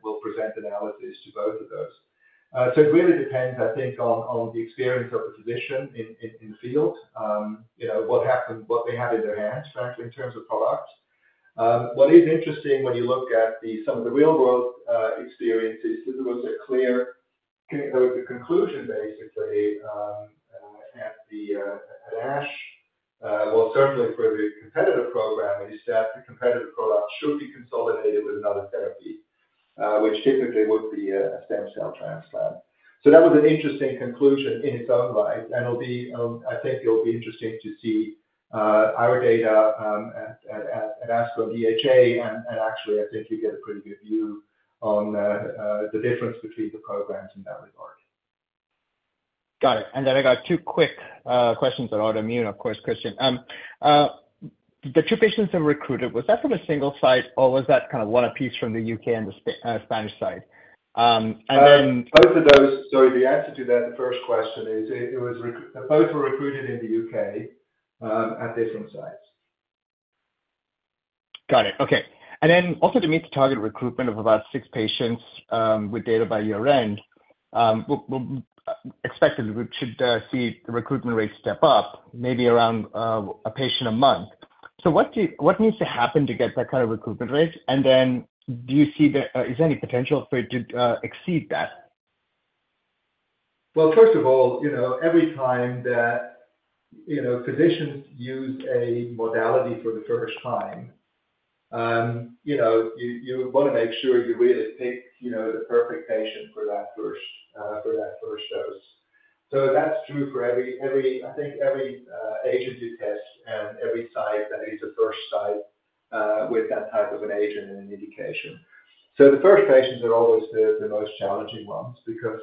we'll present analyses to both of those. So it really depends, I think, on the experience of the physician in the field. You know, what happened, what they have in their hands, frankly, in terms of products. What is interesting when you look at some of the real-world experiences, there was a clear conclusion, basically, at the ASH. Well, certainly for the competitive program, it is that the competitive product should be consolidated with another therapy, which typically would be a stem cell transplant. So that was an interesting conclusion in its own right, and it'll be, I think it'll be interesting to see our data at ASCO EHA. Actually, I think you get a pretty good view on the difference between the programs in that regard. ... Got it. And then I got two quick questions on autoimmune, of course, Christian. The two patients that were recruited, was that from a single site, or was that kind of one apiece from the UK and the Spanish site? And then- Both of those. So the answer to that, the first question is, both were recruited in the UK at different sites. Got it. Okay. And then also to meet the target recruitment of about six patients with data by year-end, expected we should see the recruitment rate step up, maybe around a patient a month. So what needs to happen to get that kind of recruitment rate? And then do you see the... Is there any potential for it to exceed that? Well, first of all, you know, every time that, you know, physicians use a modality for the first time, you know, you want to make sure you really pick, you know, the perfect patient for that first, for that first dose. So that's true for every, I think, every agent you test and every site that is a first site, with that type of an agent and an indication. So the first patients are always the most challenging ones because,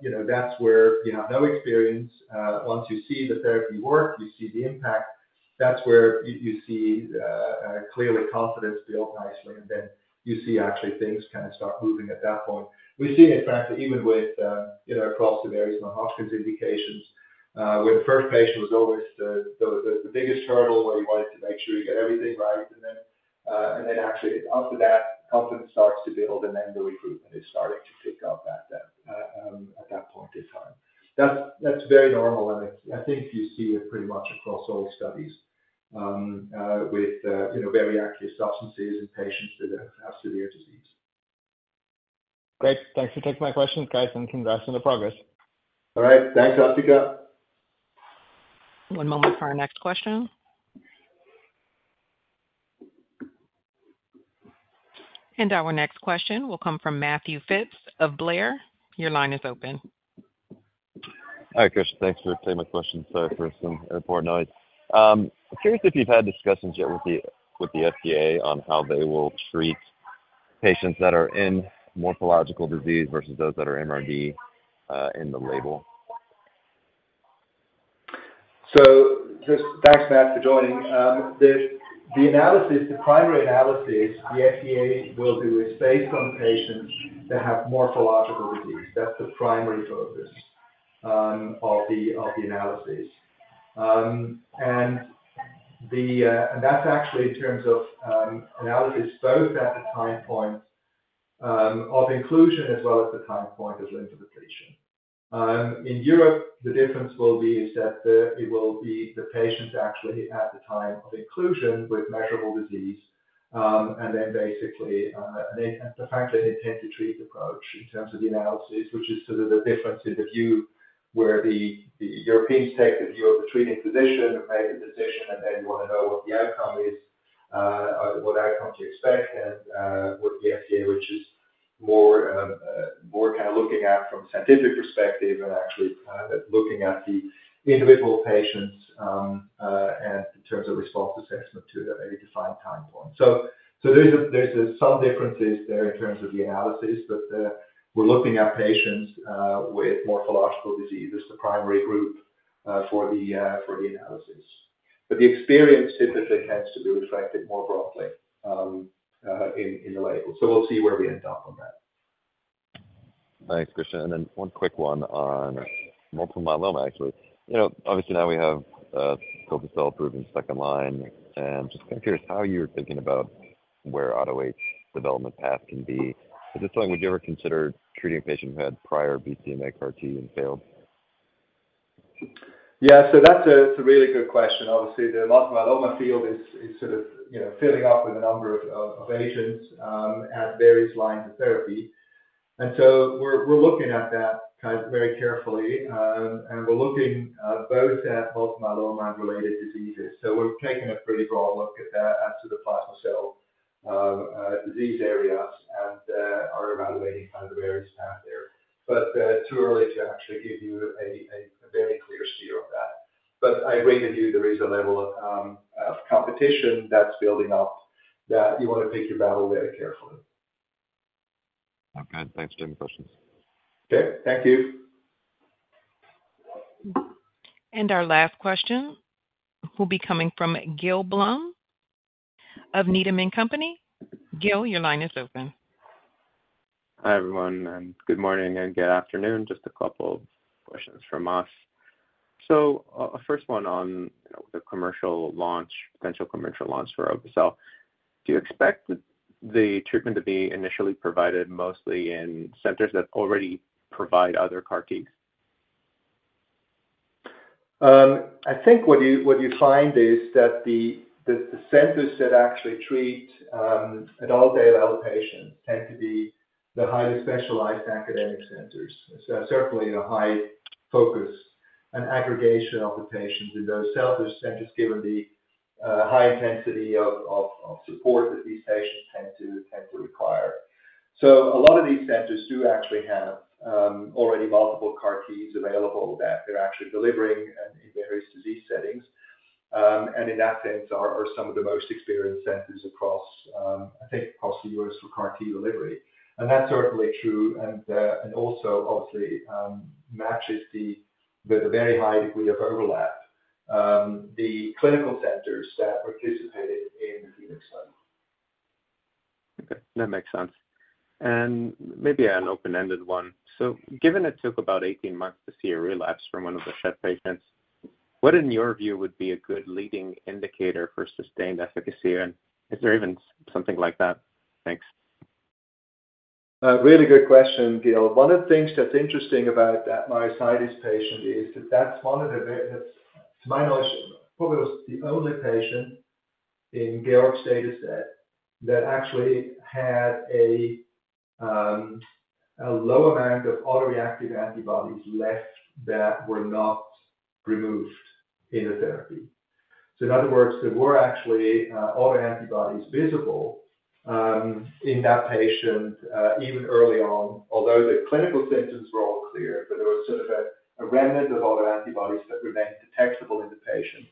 you know, that's where you have no experience. Once you see the therapy work, you see the impact, that's where you see clearly confidence build nicely, and then you see actually things kind of start moving at that point. We've seen it, in fact, even with, you know, across the various Hodgkin's indications, where the first patient was always the biggest hurdle, where you wanted to make sure you get everything right. And then, actually after that, confidence starts to build, and then the recruitment is starting to pick up at that point in time. That's very normal, and I think you see it pretty much across all studies, with, you know, very active substances in patients with a severe disease. Great. Thanks for taking my questions, guys, and congrats on the progress. All right. Thanks, Asthika. One moment for our next question. Our next question will come from Matthew Phipps of Blair. Your line is open. Hi, Christian. Thanks for taking my question. Sorry for some airport noise. Curious if you've had discussions yet with the FDA on how they will treat patients that are in morphological disease versus those that are MRD in the label. So just thanks, Matt, for joining. The analysis, the primary analysis the FDA will do, is based on patients that have morphological disease. That's the primary focus of the analysis. And that's actually in terms of analysis, both at the time point of inclusion as well as the time point of intensification. In Europe, the difference will be is that it will be the patients actually at the time of inclusion with measurable disease, and then basically, and the fact that they intend to treat approach in terms of the analysis, which is sort of the difference in the view, where the European take the view of the treating physician and make a decision, and then you want to know what the outcome is, or what outcome to expect, and, with the FDA, which is more, more kind of looking at from a scientific perspective and actually, looking at the individual patients, and in terms of response assessment to a defined time point. So there's some differences there in terms of the analysis, but we're looking at patients with morphological disease as the primary group for the analysis. But the experience typically tends to be reflected more broadly in the label. So we'll see where we end up on that. Thanks, Christian. And then one quick one on multiple myeloma, actually. You know, obviously now we have Carvykti approved and second line, and just kind of curious how you're thinking about where AUTO8 development path can be. But just like, would you ever consider treating a patient who had prior BCMA CAR-T and failed? Yeah. So that's a really good question. Obviously, the multiple myeloma field is sort of, you know, filling up with a number of agents at various lines of therapy. And so we're looking at that kind of very carefully, and we're looking both at multiple myeloma and related diseases. So we've taken a pretty broad look at the plasma cell disease areas and are evaluating kind of the various path there. But too early to actually give you a very clear steer on that. But I agree with you, there is a level of competition that's building up, that you want to pick your battle very carefully. Okay. Thanks for taking my questions. Okay. Thank you. Our last question will be coming from Gil Blum of Needham & Company. Gil, your line is open. Hi, everyone, and good morning and good afternoon. Just a couple of questions from us. So, first one on the commercial launch, potential commercial launch for obe-cel. Do you expect the treatment to be initially provided mostly in centers that already provide other CAR-Ts? I think what you find is that the centers that actually treat an ALL outpatient tend to be the highly specialized academic centers. So certainly, a high focus and aggregation of the patients in those centers, given the high intensity of support that these patients tend to require. So a lot of these centers do actually have already multiple CAR-Ts available that they're actually delivering in various disease settings. And in that sense, are some of the most experienced centers across, I think across the US for CAR-T delivery. And that's certainly true, and also obviously matches the very high degree of overlap, the clinical centers that participated in the FELIX study. Okay, that makes sense. And maybe an open-ended one. So given it took about 18 months to see a relapse from one of the Schett patients, what in your view would be a good leading indicator for sustained efficacy, and is there even something like that? Thanks. A really good question, Gil. One of the things that's interesting about that myositis patient is that that's one of the very to my knowledge, probably was the only patient in Georg's dataset that actually had a low amount of autoreactive antibodies left that were not removed in the therapy. So in other words, there were actually autoantibodies visible in that patient even early on, although the clinical symptoms were all clear, but there was sort of a remnant of autoantibodies that remained detectable in the patient.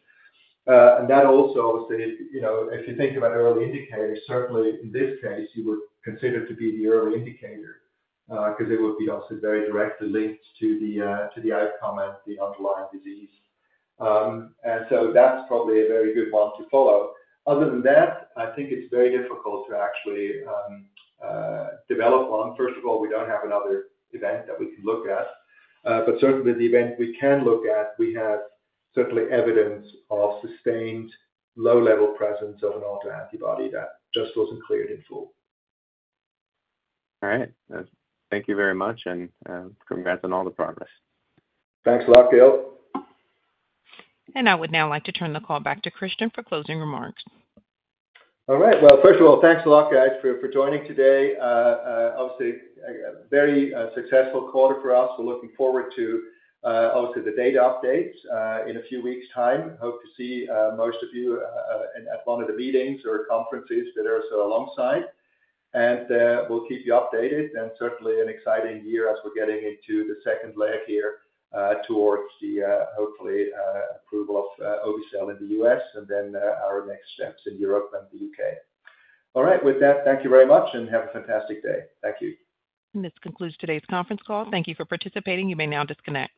And that also, obviously, you know, if you think about early indicators, certainly in this case, you would consider to be the early indicator because it would be also very directly linked to the outcome and the underlying disease. And so that's probably a very good one to follow. Other than that, I think it's very difficult to actually develop one. First of all, we don't have another event that we can look at, but certainly the event we can look at, we have certainly evidence of sustained low-level presence of an autoantibody that just wasn't cleared in full. All right. Thank you very much, and, congrats on all the progress. Thanks a lot, Gil. I would now like to turn the call back to Christian for closing remarks. All right. Well, first of all, thanks a lot, guys, for joining today. Obviously, a very successful quarter for us. We're looking forward to obviously the data updates in a few weeks' time. Hope to see most of you at one of the meetings or conferences that are so alongside. We'll keep you updated, and certainly an exciting year as we're getting into the second leg here towards the, hopefully, approval of obe-cel in the U.S., and then our next steps in Europe and the U.K. All right, with that, thank you very much and have a fantastic day. Thank you. This concludes today's conference call. Thank you for participating. You may now disconnect.